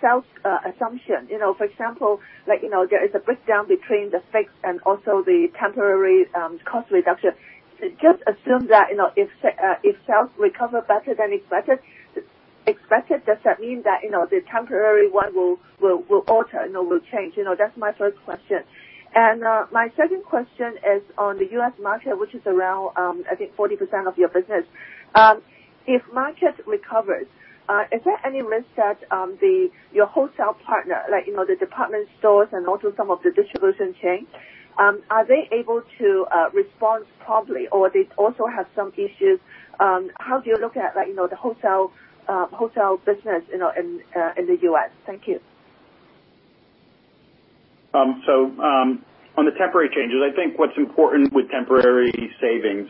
sales assumption? For example, there is a breakdown between the fixed and also the temporary cost reduction. Just assume that if sales recover better than expected, does that mean that the temporary one will alter and it will change? That's my first question. My second question is on the U.S. market, which is around, I think, 40% of your business. If market recovers, is there any risk that your wholesale partner, the department stores and also some of the distribution chain, are they able to respond properly, or they also have some issues? How do you look at the wholesale business in the U.S.? Thank you. On the temporary changes, I think what's important with temporary savings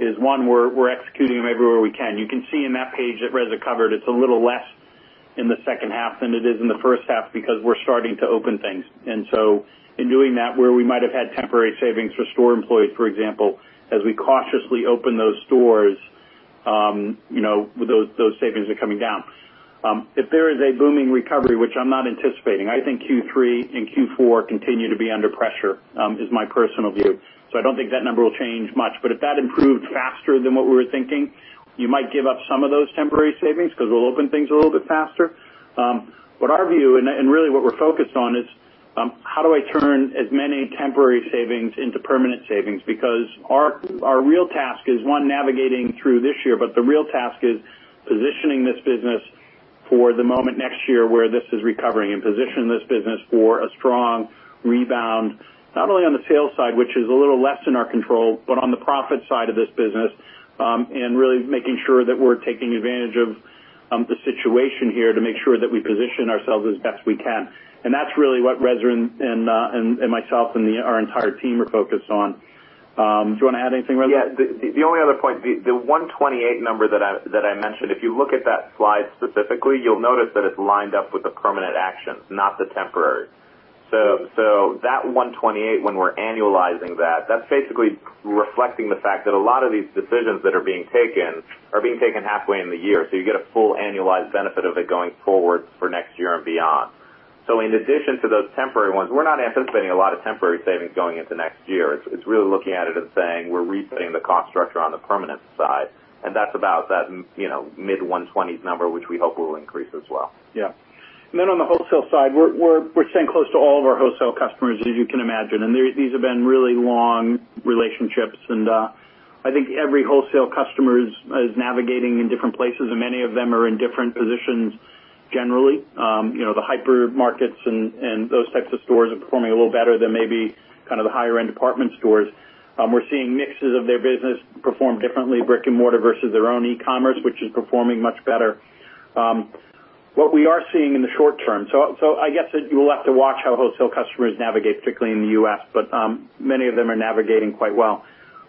is one, we're executing them everywhere we can. You can see in that page that Reza covered, it's a little less in the second half than it is in the first half because we're starting to open things. In doing that, where we might have had temporary savings for store employees, for example, as we cautiously open those stores. Those savings are coming down. If there is a booming recovery, which I'm not anticipating, I think Q3 and Q4 continue to be under pressure, is my personal view. I don't think that number will change much, but if that improved faster than what we were thinking, you might give up some of those temporary savings because we'll open things a little bit faster. Our view, and really what we're focused on, is how do I turn as many temporary savings into permanent savings? Our real task is, one, navigating through this year, but the real task is positioning this business for the moment next year where this is recovering and position this business for a strong rebound, not only on the sales side, which is a little less in our control, but on the profit side of this business. Really making sure that we're taking advantage of the situation here to make sure that we position ourselves as best we can. That's really what Reza and myself and our entire team are focused on. Do you want to add anything, Reza? Yes. The only other point, the $128 million number that I mentioned, if you look at that slide specifically, you'll notice that it's lined up with the permanent actions, not the temporary. That $128 million, when we're annualizing that's basically reflecting the fact that a lot of these decisions that are being taken are being taken halfway in the year. You get a full annualized benefit of it going forward for next year and beyond. In addition to those temporary ones, we're not anticipating a lot of temporary savings going into next year. It's really looking at it and saying, we're resetting the cost structure on the permanent side, and that's about that mid 120 number, which we hope will increase as well. Yeah. Then on the wholesale side, we're staying close to all of our wholesale customers, as you can imagine. These have been really long relationships, and I think every wholesale customer is navigating in different places, and many of them are in different positions, generally. The hypermarkets and those types of stores are performing a little better than maybe the higher-end department stores. We're seeing mixes of their business perform differently, brick and mortar versus their own e-commerce, which is performing much better. What we are seeing in the short term. I guess that you will have to watch how wholesale customers navigate, particularly in the U.S., but many of them are navigating quite well.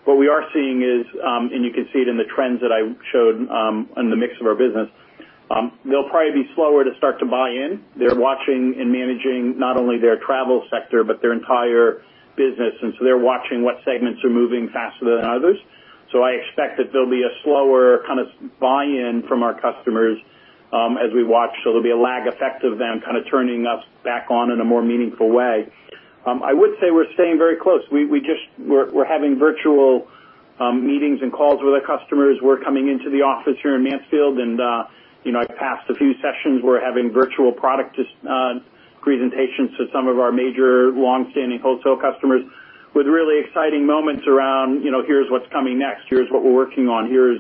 What we are seeing is, and you can see it in the trends that I showed in the mix of our business, they'll probably be slower to start to buy in. They're watching and managing not only their travel sector, but their entire business. They're watching what segments are moving faster than others. I expect that there'll be a slower buy-in from our customers as we watch. There'll be a lag effect of them turning us back on in a more meaningful way. I would say we're staying very close. We're having virtual meetings and calls with our customers. We're coming into the office here in Mansfield, and I've passed a few sessions. We're having virtual product presentations to some of our major longstanding wholesale customers with really exciting moments around, here's what's coming next, here's what we're working on, here's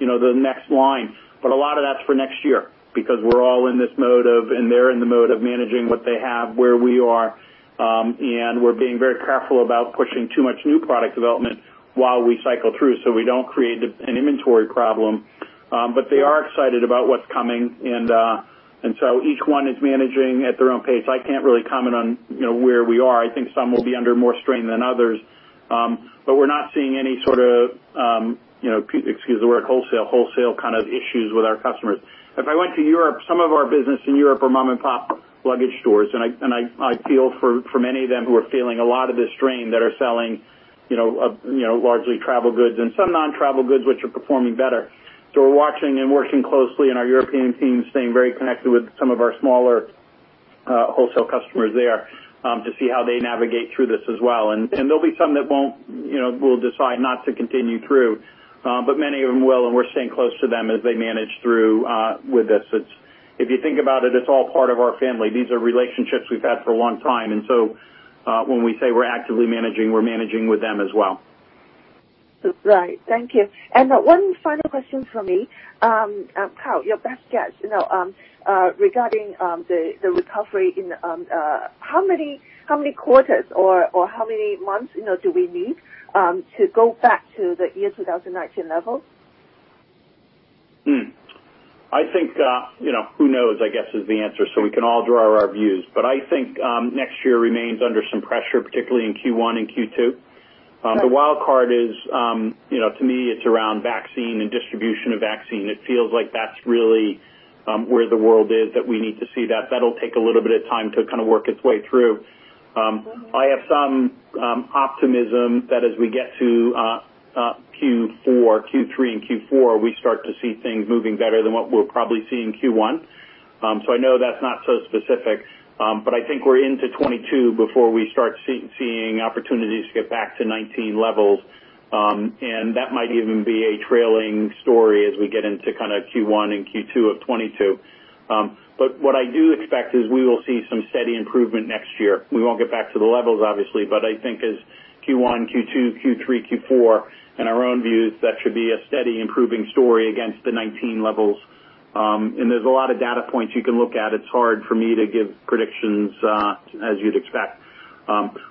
the next line. A lot of that's for next year because we're all in this mode of, and they're in the mode of managing what they have, where we are. We're being very careful about pushing too much new product development while we cycle through so we don't create an inventory problem. They are excited about what's coming, and so each one is managing at their own pace. I can't really comment on where we are. I think some will be under more strain than others. We're not seeing any sort of, excuse the word wholesale kind of issues with our customers. If I went to Europe, some of our business in Europe are mom-and-pop luggage stores, and I feel for many of them who are feeling a lot of this strain that are selling largely travel goods and some non-travel goods, which are performing better. We're watching and working closely, and our European team is staying very connected with some of our smaller wholesale customers there to see how they navigate through this as well. There'll be some that will decide not to continue through. Many of them will, and we're staying close to them as they manage through with this. If you think about it's all part of our family. These are relationships we've had for a long time, and so when we say we're actively managing, we're managing with them as well. Right. Thank you. One final question from me. Kyle, your best guess regarding the recovery, how many quarters or how many months do we need to go back to the year 2019 levels? Who knows, I guess, is the answer. We can all draw our views. I think next year remains under some pressure, particularly in Q1 and Q2. The wild card is, to me, it's around vaccine and distribution of vaccine. It feels like that's really where the world is, that we need to see that. That'll take a little bit of time to work its way through. I have some optimism that as we get to Q3 and Q4, we start to see things moving better than what we'll probably see in Q1. I know that's not so specific. I think we're into 2022 before we start seeing opportunities to get back to 2019 levels. That might even be a trailing story as we get into Q1 and Q2 of 2022. What I do expect is we will see some steady improvement next year. We won't get back to the levels, obviously, but I think as Q1, Q2, Q3, Q4, in our own views, that should be a steady improving story against the 2019 levels. There's a lot of data points you can look at. It's hard for me to give predictions as you'd expect.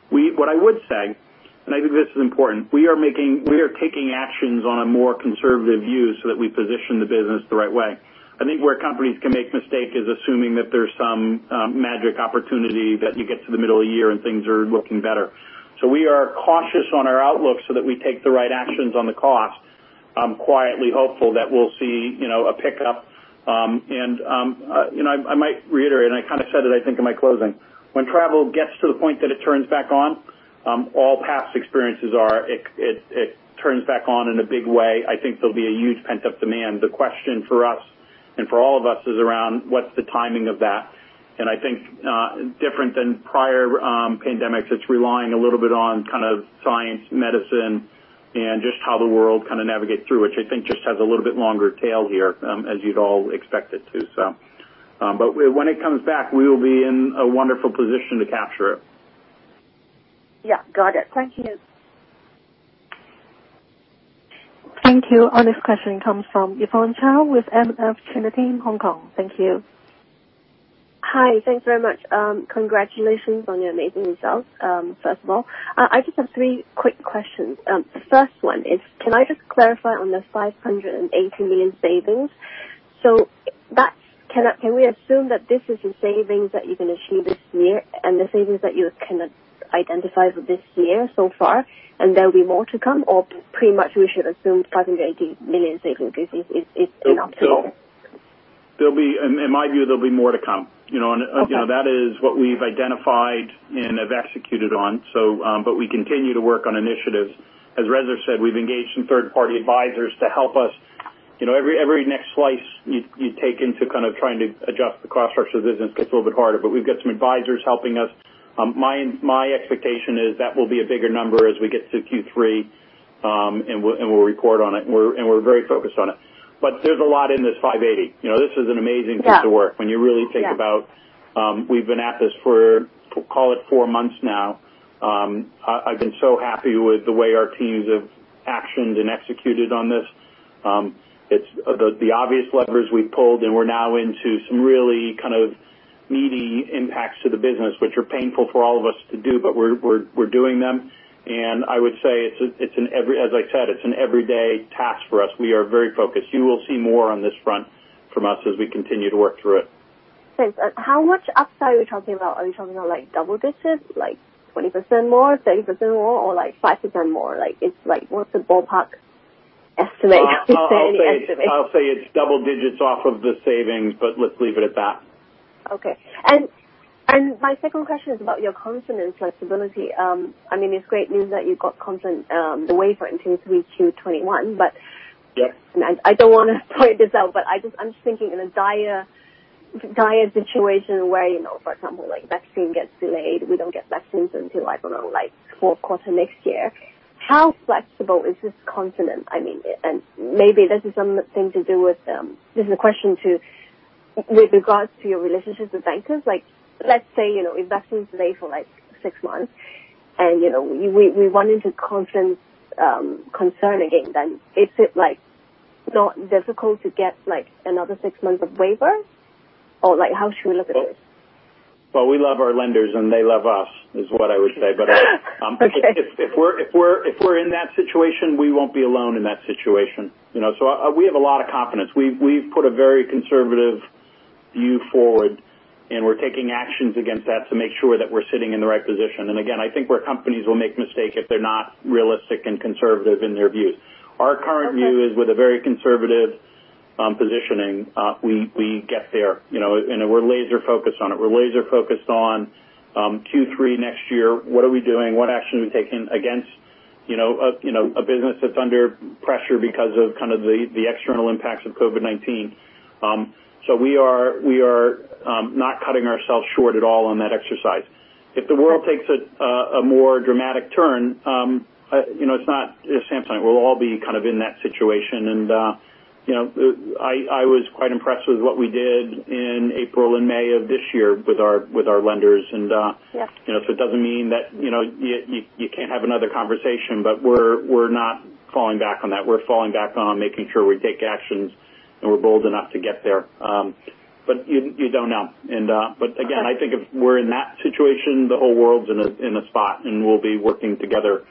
What I would say, and I think this is important, we are taking actions on a more conservative view so that we position the business the right way. I think where companies can make mistake is assuming that there's some magic opportunity that you get to the middle of the year and things are looking better. We are cautious on our outlook so that we take the right actions on the cost. I'm quietly hopeful that we'll see a pickup. I might reiterate, and I said it, I think, in my closing. When travel gets to the point that it turns back on, it turns back on in a big way. I think there'll be a huge pent-up demand. The question for us, and for all of us is around what's the timing of that. I think different than prior pandemics, it's relying a little bit on science, medicine, and just how the world navigates through, which I think just has a little bit longer tail here, as you'd all expect it to. When it comes back, we will be in a wonderful position to capture it. Yeah. Got it. Thank you. Thank you. Our next question comes from Yvonne Chao with MF Trinity in Hong Kong. Thank you. Hi. Thanks very much. Congratulations on your amazing results, first of all. I just have three quick questions. The first one is, can I just clarify on the $580 million savings? Can we assume that this is the savings that you can achieve this year, and the savings that you kind of identified for this year so far, and there'll be more to come, or pretty much we should assume $580 million savings is enough? In my view, there'll be more to come. Okay. That is what we've identified and have executed on. We continue to work on initiatives. As Reza said, we've engaged some third-party advisors to help us. Every next slice you take into kind of trying to adjust the cost structure of the business gets a little bit harder. We've got some advisors helping us. My expectation is that will be a bigger number as we get to Q3. We'll report on it. We're very focused on it. There's a lot in this $580 million. This is an amazing piece. Yeah of work when you really think about we've been at this for, call it four months now. I've been so happy with the way our teams have actioned and executed on this. The obvious levers we've pulled. We're now into some really kind of meaty impacts to the business, which are painful for all of us to do, but we're doing them. I would say, as I said, it's an everyday task for us. We are very focused. You will see more on this front from us as we continue to work through it. Thanks. How much upside are we talking about? Are we talking about double digits, 20% more, 30% more, or 5% more? What's the ballpark estimate? Is there any estimate? I'll say it's double digits off of the savings, but let's leave it at that. Okay. My second question is about your covenant flexibility. It's great news that you got the waiver until 3Q 2021. Yes I don't want to point this out, but I'm just thinking in a dire situation where, for example, vaccine gets delayed, we don't get vaccines until, I don't know, like fourth quarter next year. How flexible is this covenant? Maybe this is a question with regards to your relationships with bankers. Let's say a vaccine is delayed for six months, and we run into covenant concern again. Is it not difficult to get another six months of waivers? How should we look at this? Well, we love our lenders and they love us, is what I would say. Okay. If we're in that situation, we won't be alone in that situation. We have a lot of confidence. We've put a very conservative view forward, and we're taking actions against that to make sure that we're sitting in the right position. Again, I think where companies will make mistakes if they're not realistic and conservative in their views. Okay. Our current view is with a very conservative positioning, we get there, and we're laser-focused on it. We're laser-focused on Q3 next year. What are we doing? What action are we taking against a business that's under pressure because of kind of the external impacts of COVID-19? We are not cutting ourselves short at all on that exercise. If the world takes a more dramatic turn, at Samsonite, we'll all be kind of in that situation. I was quite impressed with what we did in April and May of this year with our lenders. Yeah. It doesn't mean that you can't have another conversation, but we're not falling back on that. We're falling back on making sure we take actions, and we're bold enough to get there. You don't know. Okay. Again, I think if we're in that situation, the whole world's in a spot, and we'll be working together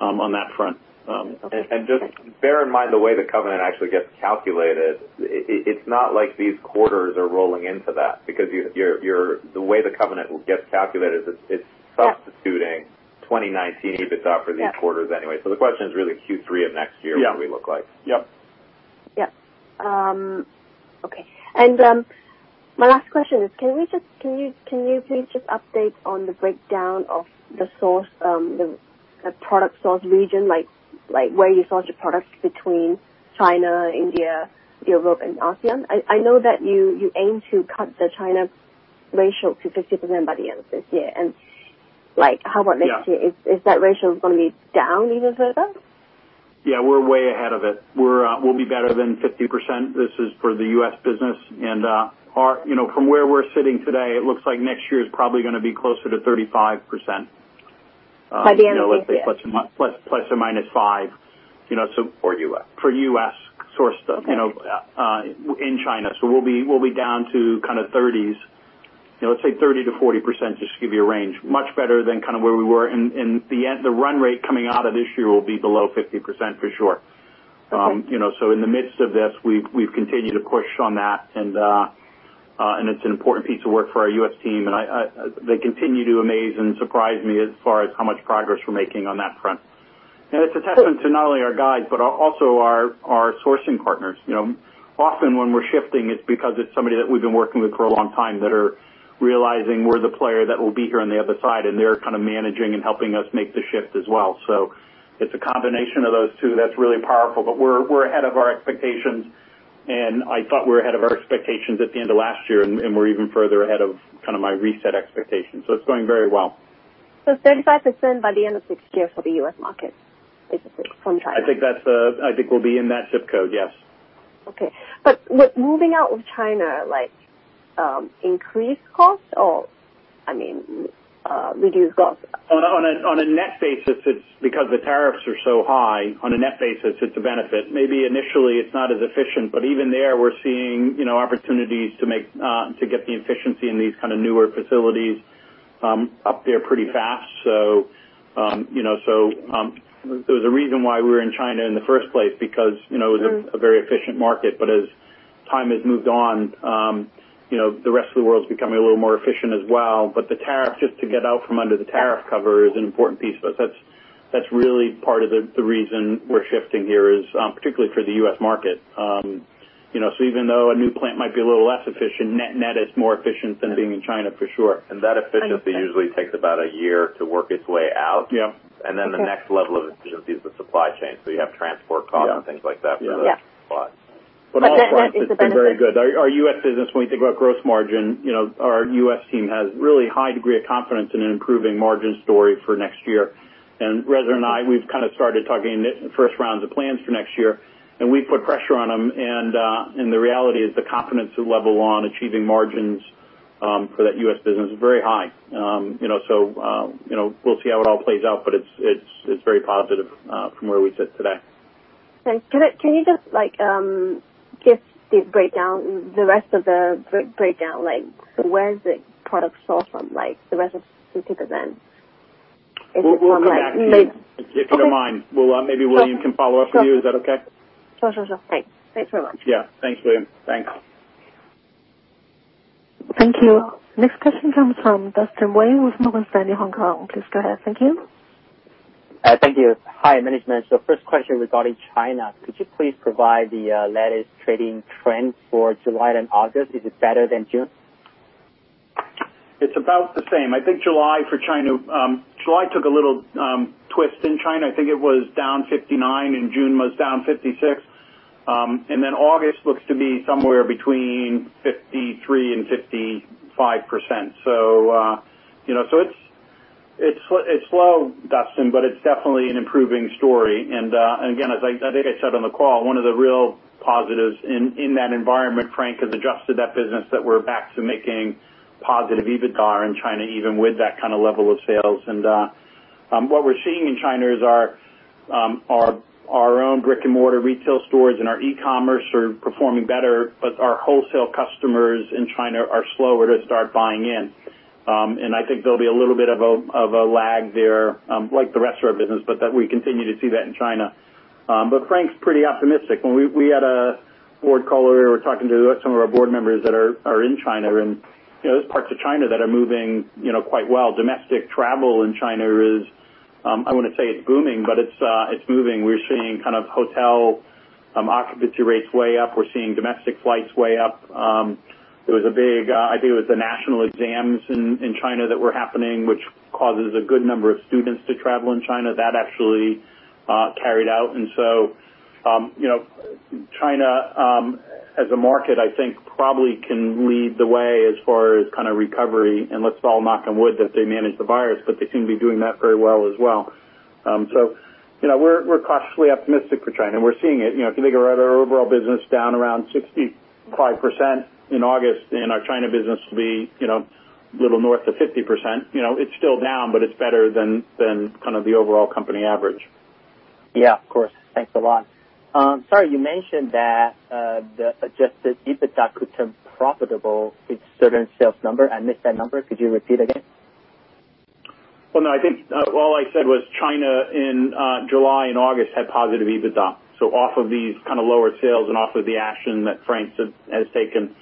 on that front. Okay. Just bear in mind the way the covenant actually gets calculated. It's not like these quarters are rolling into that because the way the covenant gets calculated, it's. Yeah substituting 2019 bits out for these quarters anyway. The question is really Q3 of next year. Yeah What do we look like? Yep. Yep. Okay. My last question is, can you please just update on the breakdown of the product source region, like where you source your products between China, India, Europe, and ASEAN? I know that you aim to cut the China ratio to 50% by the end of this year. How about next year? Yeah. Is that ratio going to be down even further? Yeah, we're way ahead of it. We'll be better than 50%. This is for the U.S. business. From where we're sitting today, it looks like next year is probably going to be closer to 35%. By the end of this year? ±5. For U.S. For U.S. sourced stuff. Okay in China. We'll be down to kind of 30s. Let's say 30%-40%, just to give you a range. Much better than kind of where we were. The run rate coming out of this year will be below 50% for sure. Okay. In the midst of this, we've continued to push on that, and it's an important piece of work for our U.S. team. They continue to amaze and surprise me as far as how much progress we're making on that front. It's a testament to not only our guides, but also our sourcing partners. Often when we're shifting, it's because it's somebody that we've been working with for a long time that are realizing we're the player that will be here on the other side, and they're kind of managing and helping us make the shift as well. It's a combination of those two that's really powerful. We're ahead of our expectations, and I thought we were ahead of our expectations at the end of last year, and we're even further ahead of my reset expectations. It's going very well. 35% by the end of this year for the U.S. market, basically, from China. I think we'll be in that zip code, yes. Okay. Would moving out of China increase costs or, I mean, reduce costs? On a net basis, because the tariffs are so high, on a net basis, it's a benefit. Maybe initially it's not as efficient, but even there, we're seeing opportunities to get the efficiency in these kind of newer facilities up there pretty fast. There was a reason why we were in China in the first place, because it was a very efficient market. As time has moved on, the rest of the world's becoming a little more efficient as well. The tariff, just to get out from under the tariff cover is an important piece for us. That's really part of the reason we're shifting here is, particularly for the U.S. market. Even though a new plant might be a little less efficient, net is more efficient than being in China for sure. That efficiency usually takes about a year to work its way out. Yeah. Then the next level of efficiency is the supply chain. You have transport costs and things like that for those spots. That is a benefit. All in, it's been very good. Our U.S. business, when you think about gross margin, our U.S. team has really high degree of confidence in an improving margin story for next year. Reza and I, we've kind of started talking first rounds of plans for next year, and we've put pressure on them. The reality is the confidence level on achieving margins for that U.S. business is very high. We'll see how it all plays out, but it's very positive from where we sit today. Thanks. Can you just give the breakdown, the rest of the breakdown, like where is the product sourced from, like the rest of 50%? We'll come back to you. Okay. If you don't mind. Maybe William can follow up with you. Is that okay? Sure. Thanks. Thanks very much. Yeah. Thanks, Yvonne. Thanks. Thank you. Next question comes from Dustin Wei with Morgan Stanley, Hong Kong. Please go ahead. Thank you. Thank you. Hi, management. First question regarding China. Could you please provide the latest trading trends for July and August? Is it better than June? It's about the same. I think July took a little twist in China. I think it was down 59%, and June was down 56%. August looks to be somewhere between 53% and 55%. It's slow, Dustin, but it's definitely an improving story. Again, as I think I said on the call, one of the real positives in that environment, Frank has adjusted that business that we're back to making positive EBITDA in China, even with that kind of level of sales. What we're seeing in China is our own brick and mortar retail stores and our e-commerce are performing better, but our wholesale customers in China are slower to start buying in. I think there'll be a little bit of a lag there, like the rest of our business, but that we continue to see that in China. Frank's pretty optimistic. When we had a board call earlier, we were talking to some of our board members that are in China, and there's parts of China that are moving quite well. Domestic travel in China is, I wouldn't say it's booming, but it's moving. We're seeing kind of hotel occupancy rates way up. We're seeing domestic flights way up. There was a big, I think it was the national exams in China that were happening, which causes a good number of students to travel in China. That actually carried out. China, as a market, I think probably can lead the way as far as kind of recovery, and let's all knock on wood that they manage the virus, but they seem to be doing that very well as well. We're cautiously optimistic for China. We're seeing it. If you think about our overall business down around 65% in August, and our China business to be a little north of 50%. It's still down, but it's better than kind of the overall company average. Yeah, of course. Thanks a lot. Sorry, you mentioned that the adjusted EBITDA could turn profitable with certain sales number. I missed that number. Could you repeat again? Well, no, I think all I said was China in July and August had positive EBITDA. Off of these kind of lower sales and off of the action that Frank has taken,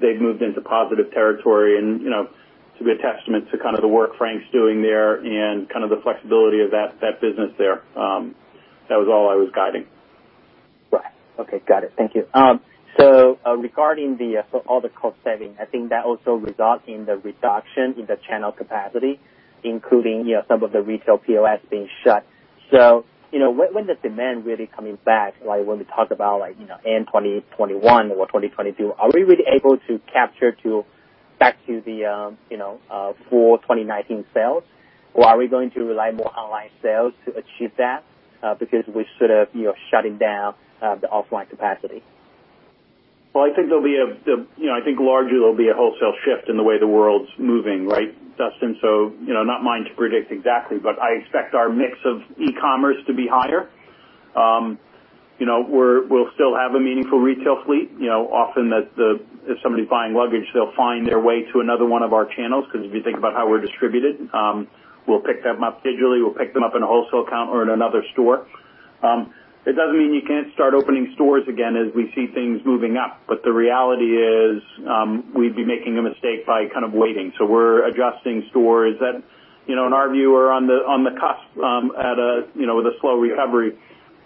they've moved into positive territory and it's a good testament to kind of the work Frank's doing there and kind of the flexibility of that business there. That was all I was guiding. Right. Okay. Got it. Thank you. Regarding all the cost saving, I think that also results in the reduction in the channel capacity, including some of the retail POS being shut. When is the demand really coming back? Like when we talk about end of 2021 or 2022, are we really able to capture back to the full 2019 sales? Or are we going to rely more on online sales to achieve that? Because we should have shutting down the offline capacity. Well, I think largely there'll be a wholesale shift in the way the world's moving, right, Dustin? Not mine to predict exactly, but I expect our mix of e-commerce to be higher. We'll still have a meaningful retail fleet. Often if somebody's buying luggage, they'll find their way to another one of our channels, because if you think about how we're distributed, we'll pick them up digitally, we'll pick them up in a wholesale account or in another store. It doesn't mean you can't start opening stores again as we see things moving up. The reality is, we'd be making a mistake by waiting. We're adjusting stores that, in our view, are on the cusp of a slow recovery.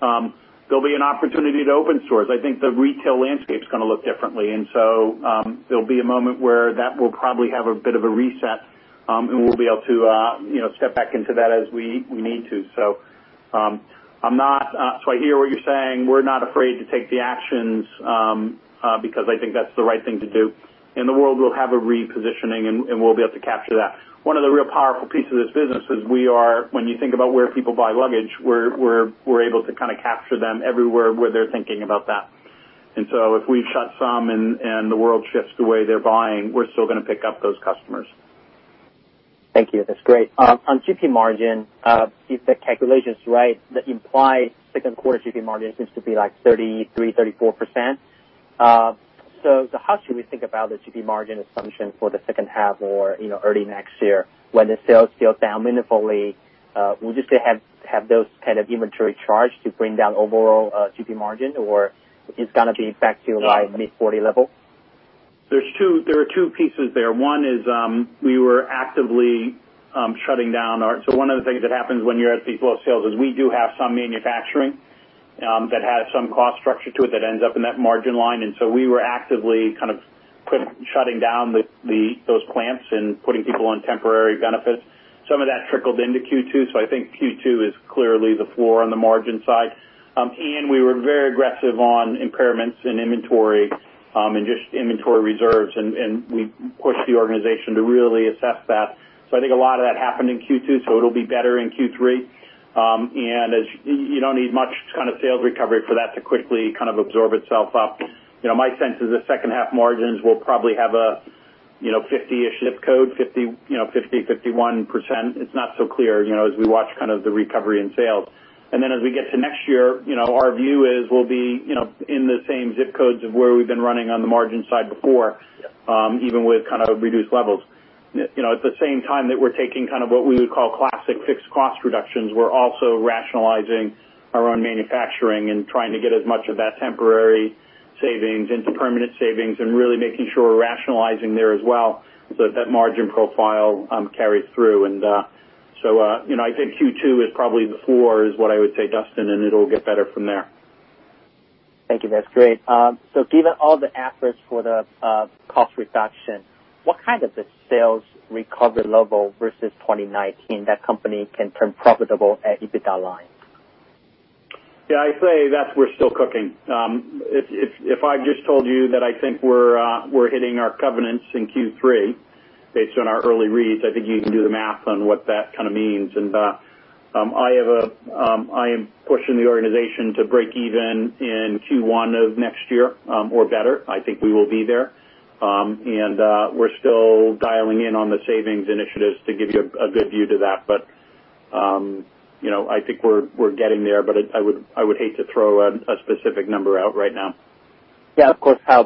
There'll be an opportunity to open stores. I think the retail landscape is going to look differently. There'll be a moment where that will probably have a bit of a reset, and we'll be able to step back into that as we need to. I hear what you're saying. We're not afraid to take the actions because I think that's the right thing to do. The world will have a repositioning, and we'll be able to capture that. One of the real powerful pieces of this business is when you think about where people buy luggage, we're able to capture them everywhere where they're thinking about that. If we shut some and the world shifts the way they're buying, we're still going to pick up those customers. Thank you. That's great. On GP margin, if the calculation is right, the implied second quarter GP margin seems to be 33%-34%. How should we think about the GP margin assumption for the second half or early next year when the sales scale down meaningfully? Would you still have those kind of inventory charge to bring down overall GP margin, or it's going to be back to mid-40 level? There are two pieces there. One is we were actively shutting down. One of the things that happens when you're at these low sales is we do have some manufacturing that has some cost structure to it that ends up in that margin line. We were actively shutting down those plants and putting people on temporary benefits. Some of that trickled into Q2, so I think Q2 is clearly the floor on the margin side. We were very aggressive on impairments in inventory and just inventory reserves, and we pushed the organization to really assess that. I think a lot of that happened in Q2, so it'll be better in Q3. You don't need much sales recovery for that to quickly absorb itself up. My sense is the second half margins will probably have a 50-ish zip code, 50%, 51%. It's not so clear as we watch the recovery in sales. Then as we get to next year, our view is we'll be in the same zip codes of where we've been running on the margin side before, even with reduced levels. At the same time that we're taking what we would call classic fixed cost reductions, we're also rationalizing our own manufacturing and trying to get as much of that temporary savings into permanent savings and really making sure we're rationalizing there as well so that margin profile carries through. So I think Q2 is probably the floor, is what I would say, Dustin, and it'll get better from there. Thank you. That's great. Given all the efforts for the cost reduction, what kind of sales recovery level versus 2019 that company can turn profitable at EBITDA line? Yeah, I'd say that we're still cooking. If I just told you that I think we're hitting our covenants in Q3 based on our early reads, I think you can do the math on what that means. I am pushing the organization to break even in Q1 of next year or better. I think we will be there. We're still dialing in on the savings initiatives to give you a good view to that. I think we're getting there, but I would hate to throw a specific number out right now. Yeah, of course, Kyle.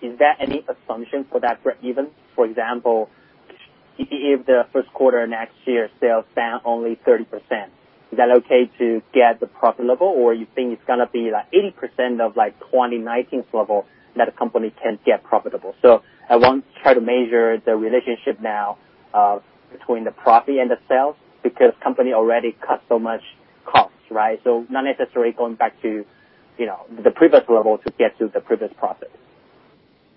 Is there any assumption for that breakeven? For example, if the first quarter next year sales down only 30%, is that okay to get the profit level, or you think it's going to be 80% of 2019 level that a company can get profitable? I want to try to measure the relationship now between the profit and the sales, because company already cut so much costs, right? Not necessarily going back to the previous level to get to the previous profit.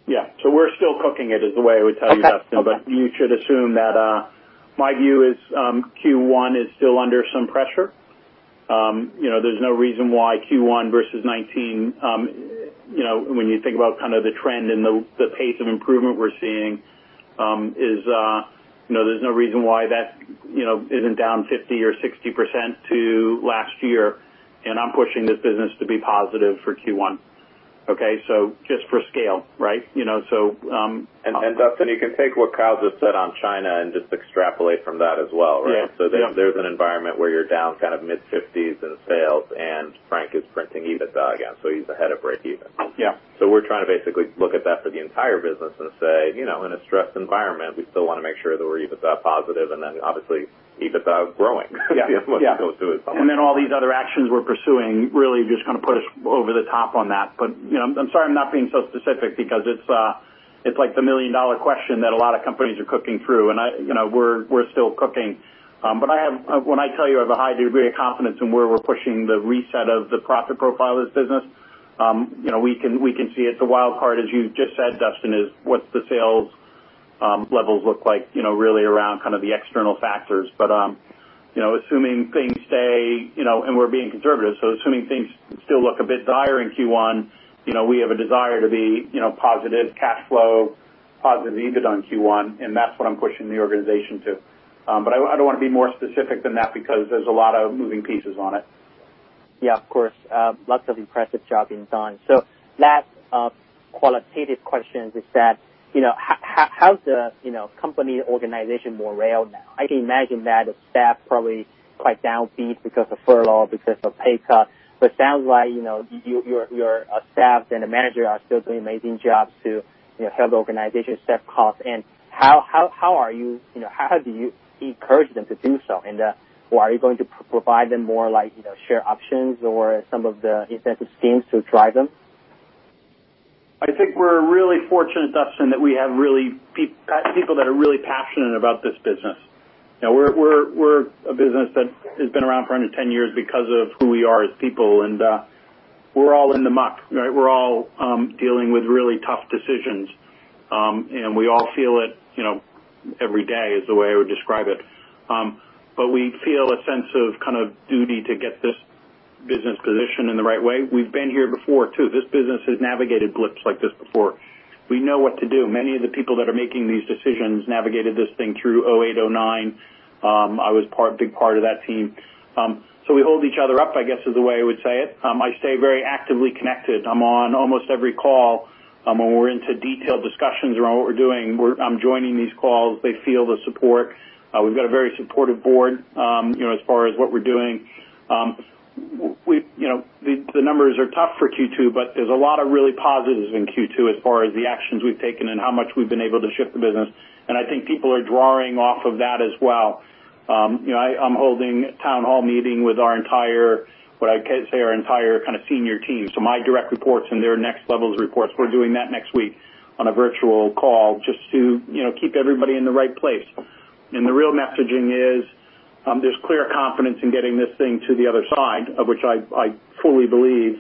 Yeah. We're still cooking it is the way I would tell you, Dustin. Okay. You should assume that my view is Q1 is still under some pressure. There's no reason why Q1 versus 2019, when you think about the trend and the pace of improvement we're seeing, there's no reason why that isn't down 50% or 60% to last year. I'm pushing this business to be positive for Q1. Okay? Just for scale, right? Dustin, you can take what Kyle just said on China and just extrapolate from that as well, right? Yeah. There's an environment where you're down mid-50% in sales, and Frank is printing EBITDA again, so he's ahead of breakeven. Yeah. We're trying to basically look at that for the entire business and say, in a stressed environment, we still want to make sure that we're EBITDA positive, and then obviously, EBITDA is growing as much as it goes to at some point. Yeah. All these other actions we're pursuing really just put us over the top on that. I'm sorry I'm not being so specific because it's like the million-dollar question that a lot of companies are cooking through, and we're still cooking. When I tell you I have a high degree of confidence in where we're pushing the reset of the profit profile of this business, we can see it. The wild card, as you just said, Dustin, is what the sales levels look like really around the external factors. Assuming things stay, and we're being conservative, so assuming things still look a bit dire in Q1, we have a desire to be positive cash flow, positive EBITDA in Q1, and that's what I'm pushing the organization to. I don't want to be more specific than that because there's a lot of moving pieces on it. Yeah, of course. Lots of impressive jobs being done. Last qualitative question is that, how is the company organization more real now? I can imagine that staff probably quite downbeat because of furlough, because of pay cut, but sounds like your staff and the manager are still doing amazing jobs to help the organization set costs. How do you encourage them to do so? Are you going to provide them more share options or some of the incentive schemes to drive them? I think we're really fortunate, Dustin, that we have people that are really passionate about this business. We're a business that has been around for under 10 years because of who we are as people, and we're all in the muck, right? We're all dealing with really tough decisions. We all feel it every day, is the way I would describe it. We feel a sense of duty to get this business positioned in the right way. We've been here before, too. This business has navigated blips like this before. We know what to do. Many of the people that are making these decisions navigated this thing through 2008, 2009. I was a big part of that team. We hold each other up, I guess, is the way I would say it. I stay very actively connected. I'm on almost every call. When we're into detailed discussions around what we're doing, I'm joining these calls. They feel the support. We've got a very supportive Board as far as what we're doing. The numbers are tough for Q2, but there's a lot of really positives in Q2 as far as the actions we've taken and how much we've been able to shift the business. I think people are drawing off of that as well. I'm holding a town hall meeting with our entire senior team. My direct reports and their next level of reports, we're doing that next week on a virtual call just to keep everybody in the right place. The real messaging is, there's clear confidence in getting this thing to the other side, of which I fully believe.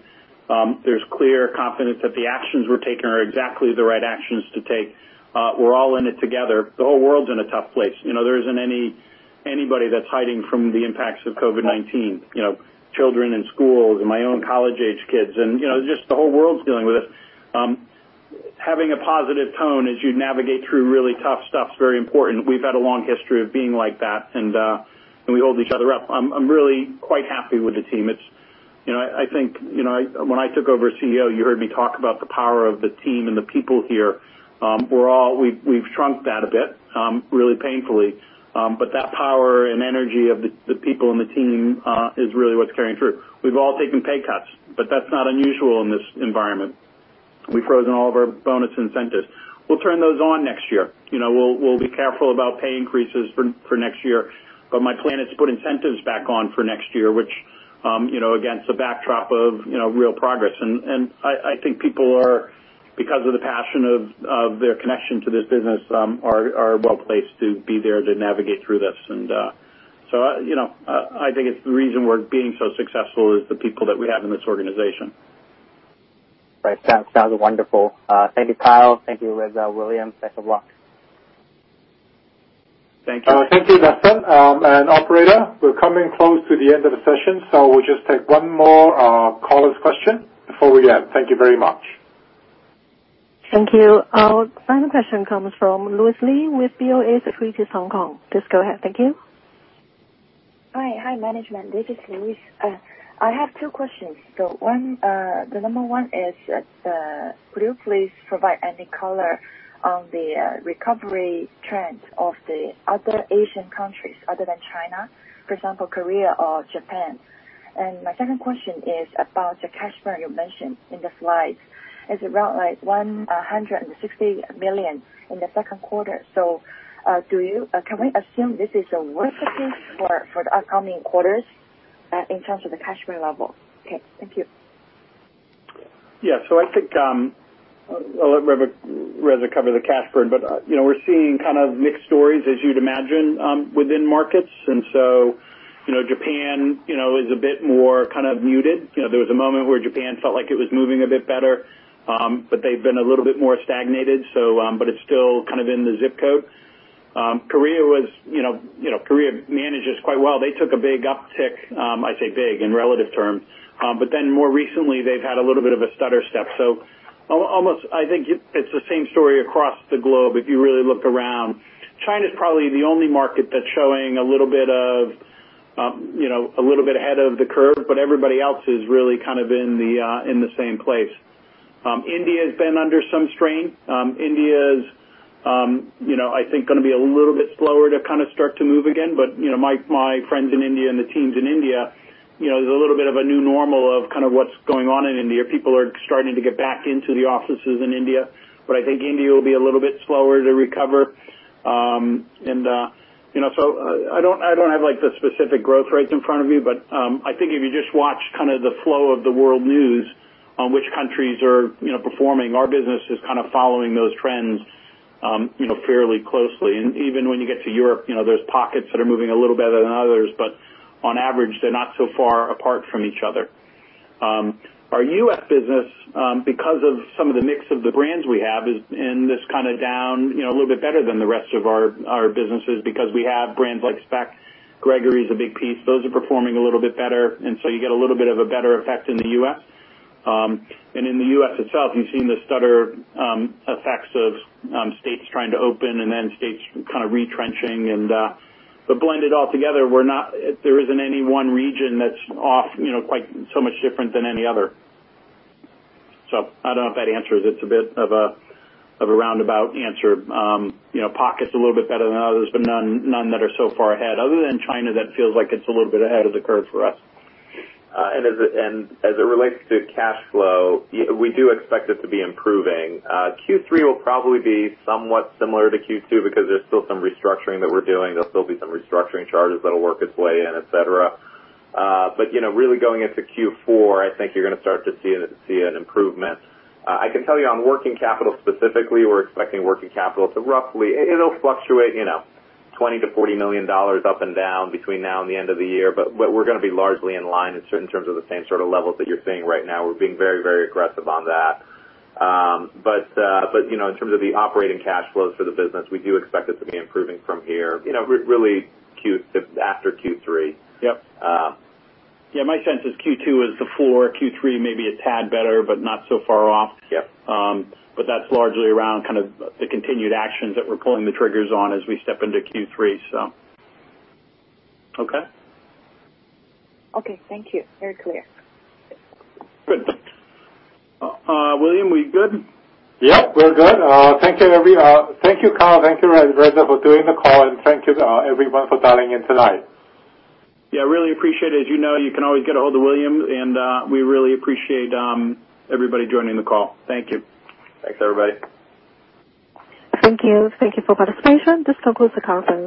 There's clear confidence that the actions we're taking are exactly the right actions to take. We're all in it together. The whole world's in a tough place. There isn't anybody that's hiding from the impacts of COVID-19. Children in schools and my own college-age kids and just the whole world's dealing with this. Having a positive tone as you navigate through really tough stuff is very important. We've had a long history of being like that, and we hold each other up. I'm really quite happy with the team. When I took over as CEO, you heard me talk about the power of the team and the people here. We've shrunk that a bit really painfully. That power and energy of the people and the team is really what's carrying through. We've all taken pay cuts, but that's not unusual in this environment. We've frozen all of our bonus incentives. We'll turn those on next year. We'll be careful about pay increases for next year, but my plan is to put incentives back on for next year, which against a backdrop of real progress. I think people are, because of the passion of their connection to this business, are well-placed to be there to navigate through this. I think it's the reason we're being so successful is the people that we have in this organization. Right. Sounds wonderful. Thank you, Kyle. Thank you, Reza, William. Best of luck. Thank you. Thank you, Dustin. Operator, we're coming close to the end of the session, so we'll just take one more caller's question before we end. Thank you very much. Thank you. Our final question comes from Louise Li with BofA Securities Hong Kong. Please go ahead. Thank you. Hi, management. This is Louise. I have two questions. The number one is, could you please provide any color on the recovery trend of the other Asian countries other than China, for example, Korea or Japan? My second question is about the cash burn you mentioned in the slides. Is it around like $160 million in the second quarter? Can we assume this is a work piece for the upcoming quarters in terms of the cash burn level? Okay. Thank you. I think I'll let Reza cover the cash burn, but we're seeing kind of mixed stories, as you'd imagine within markets. Japan is a bit more kind of muted. There was a moment where Japan felt like it was moving a bit better. They've been a little bit more stagnated, but it's still kind of in the zip code. Korea manages quite well. They took a big uptick. I say big in relative terms. More recently, they've had a little bit of a stutter step. Almost, I think it's the same story across the globe if you really look around. China's probably the only market that's showing a little bit ahead of the curve, but everybody else is really kind of in the same place. India has been under some strain. India is I think going to be a little bit slower to kind of start to move again. My friends in India and the teams in India, there's a little bit of a new normal of kind of what's going on in India. People are starting to get back into the offices in India, I think India will be a little bit slower to recover. I don't have the specific growth rates in front of me, I think if you just watch kind of the flow of the world news on which countries are performing, our business is kind of following those trends fairly closely. Even when you get to Europe, there's pockets that are moving a little better than others, on average, they're not so far apart from each other. Our U.S. business, because of some of the mix of the brands we have in this kind of down, a little bit better than the rest of our businesses because we have brands like Speck. Gregory a big piece. Those are performing a little bit better. You get a little bit of a better effect in the U.S. In the U.S. itself, you've seen the stutter effects of states trying to open and then states kind of retrenching. Blended all together, there isn't any one region that's off so much different than any other. I don't know if that answers. It's a bit of a roundabout answer. Pockets a little bit better than others, but none that are so far ahead other than China that feels like it's a little bit ahead of the curve for us. As it relates to cash flow, we do expect it to be improving. Q3 will probably be somewhat similar to Q2 because there's still some restructuring that we're doing. There'll still be some restructuring charges that'll work its way in, et cetera. Really going into Q4, I think you're going to start to see an improvement. I can tell you on working capital specifically, we're expecting working capital to fluctuate $20 million-$40 million up and down between now and the end of the year. We're going to be largely in line in terms of the same sort of levels that you're seeing right now. We're being very aggressive on that. In terms of the operating cash flows for the business, we do expect it to be improving from here really after Q3. Yep. Yeah, my sense is Q2 is the floor, Q3 maybe a tad better, but not so far off. Yep. That's largely around kind of the continued actions that we're pulling the triggers on as we step into Q3. Okay. Okay. Thank you. Very clear. Good. William, we good? Yep, we're good. Thank you, Kyle. Thank you, Reza, for doing the call, and thank you everyone for dialing in tonight. Really appreciate it. As you know, you can always get a hold of William, and we really appreciate everybody joining the call. Thank you. Thanks, everybody. Thank you. Thank you for participation. This concludes the conference.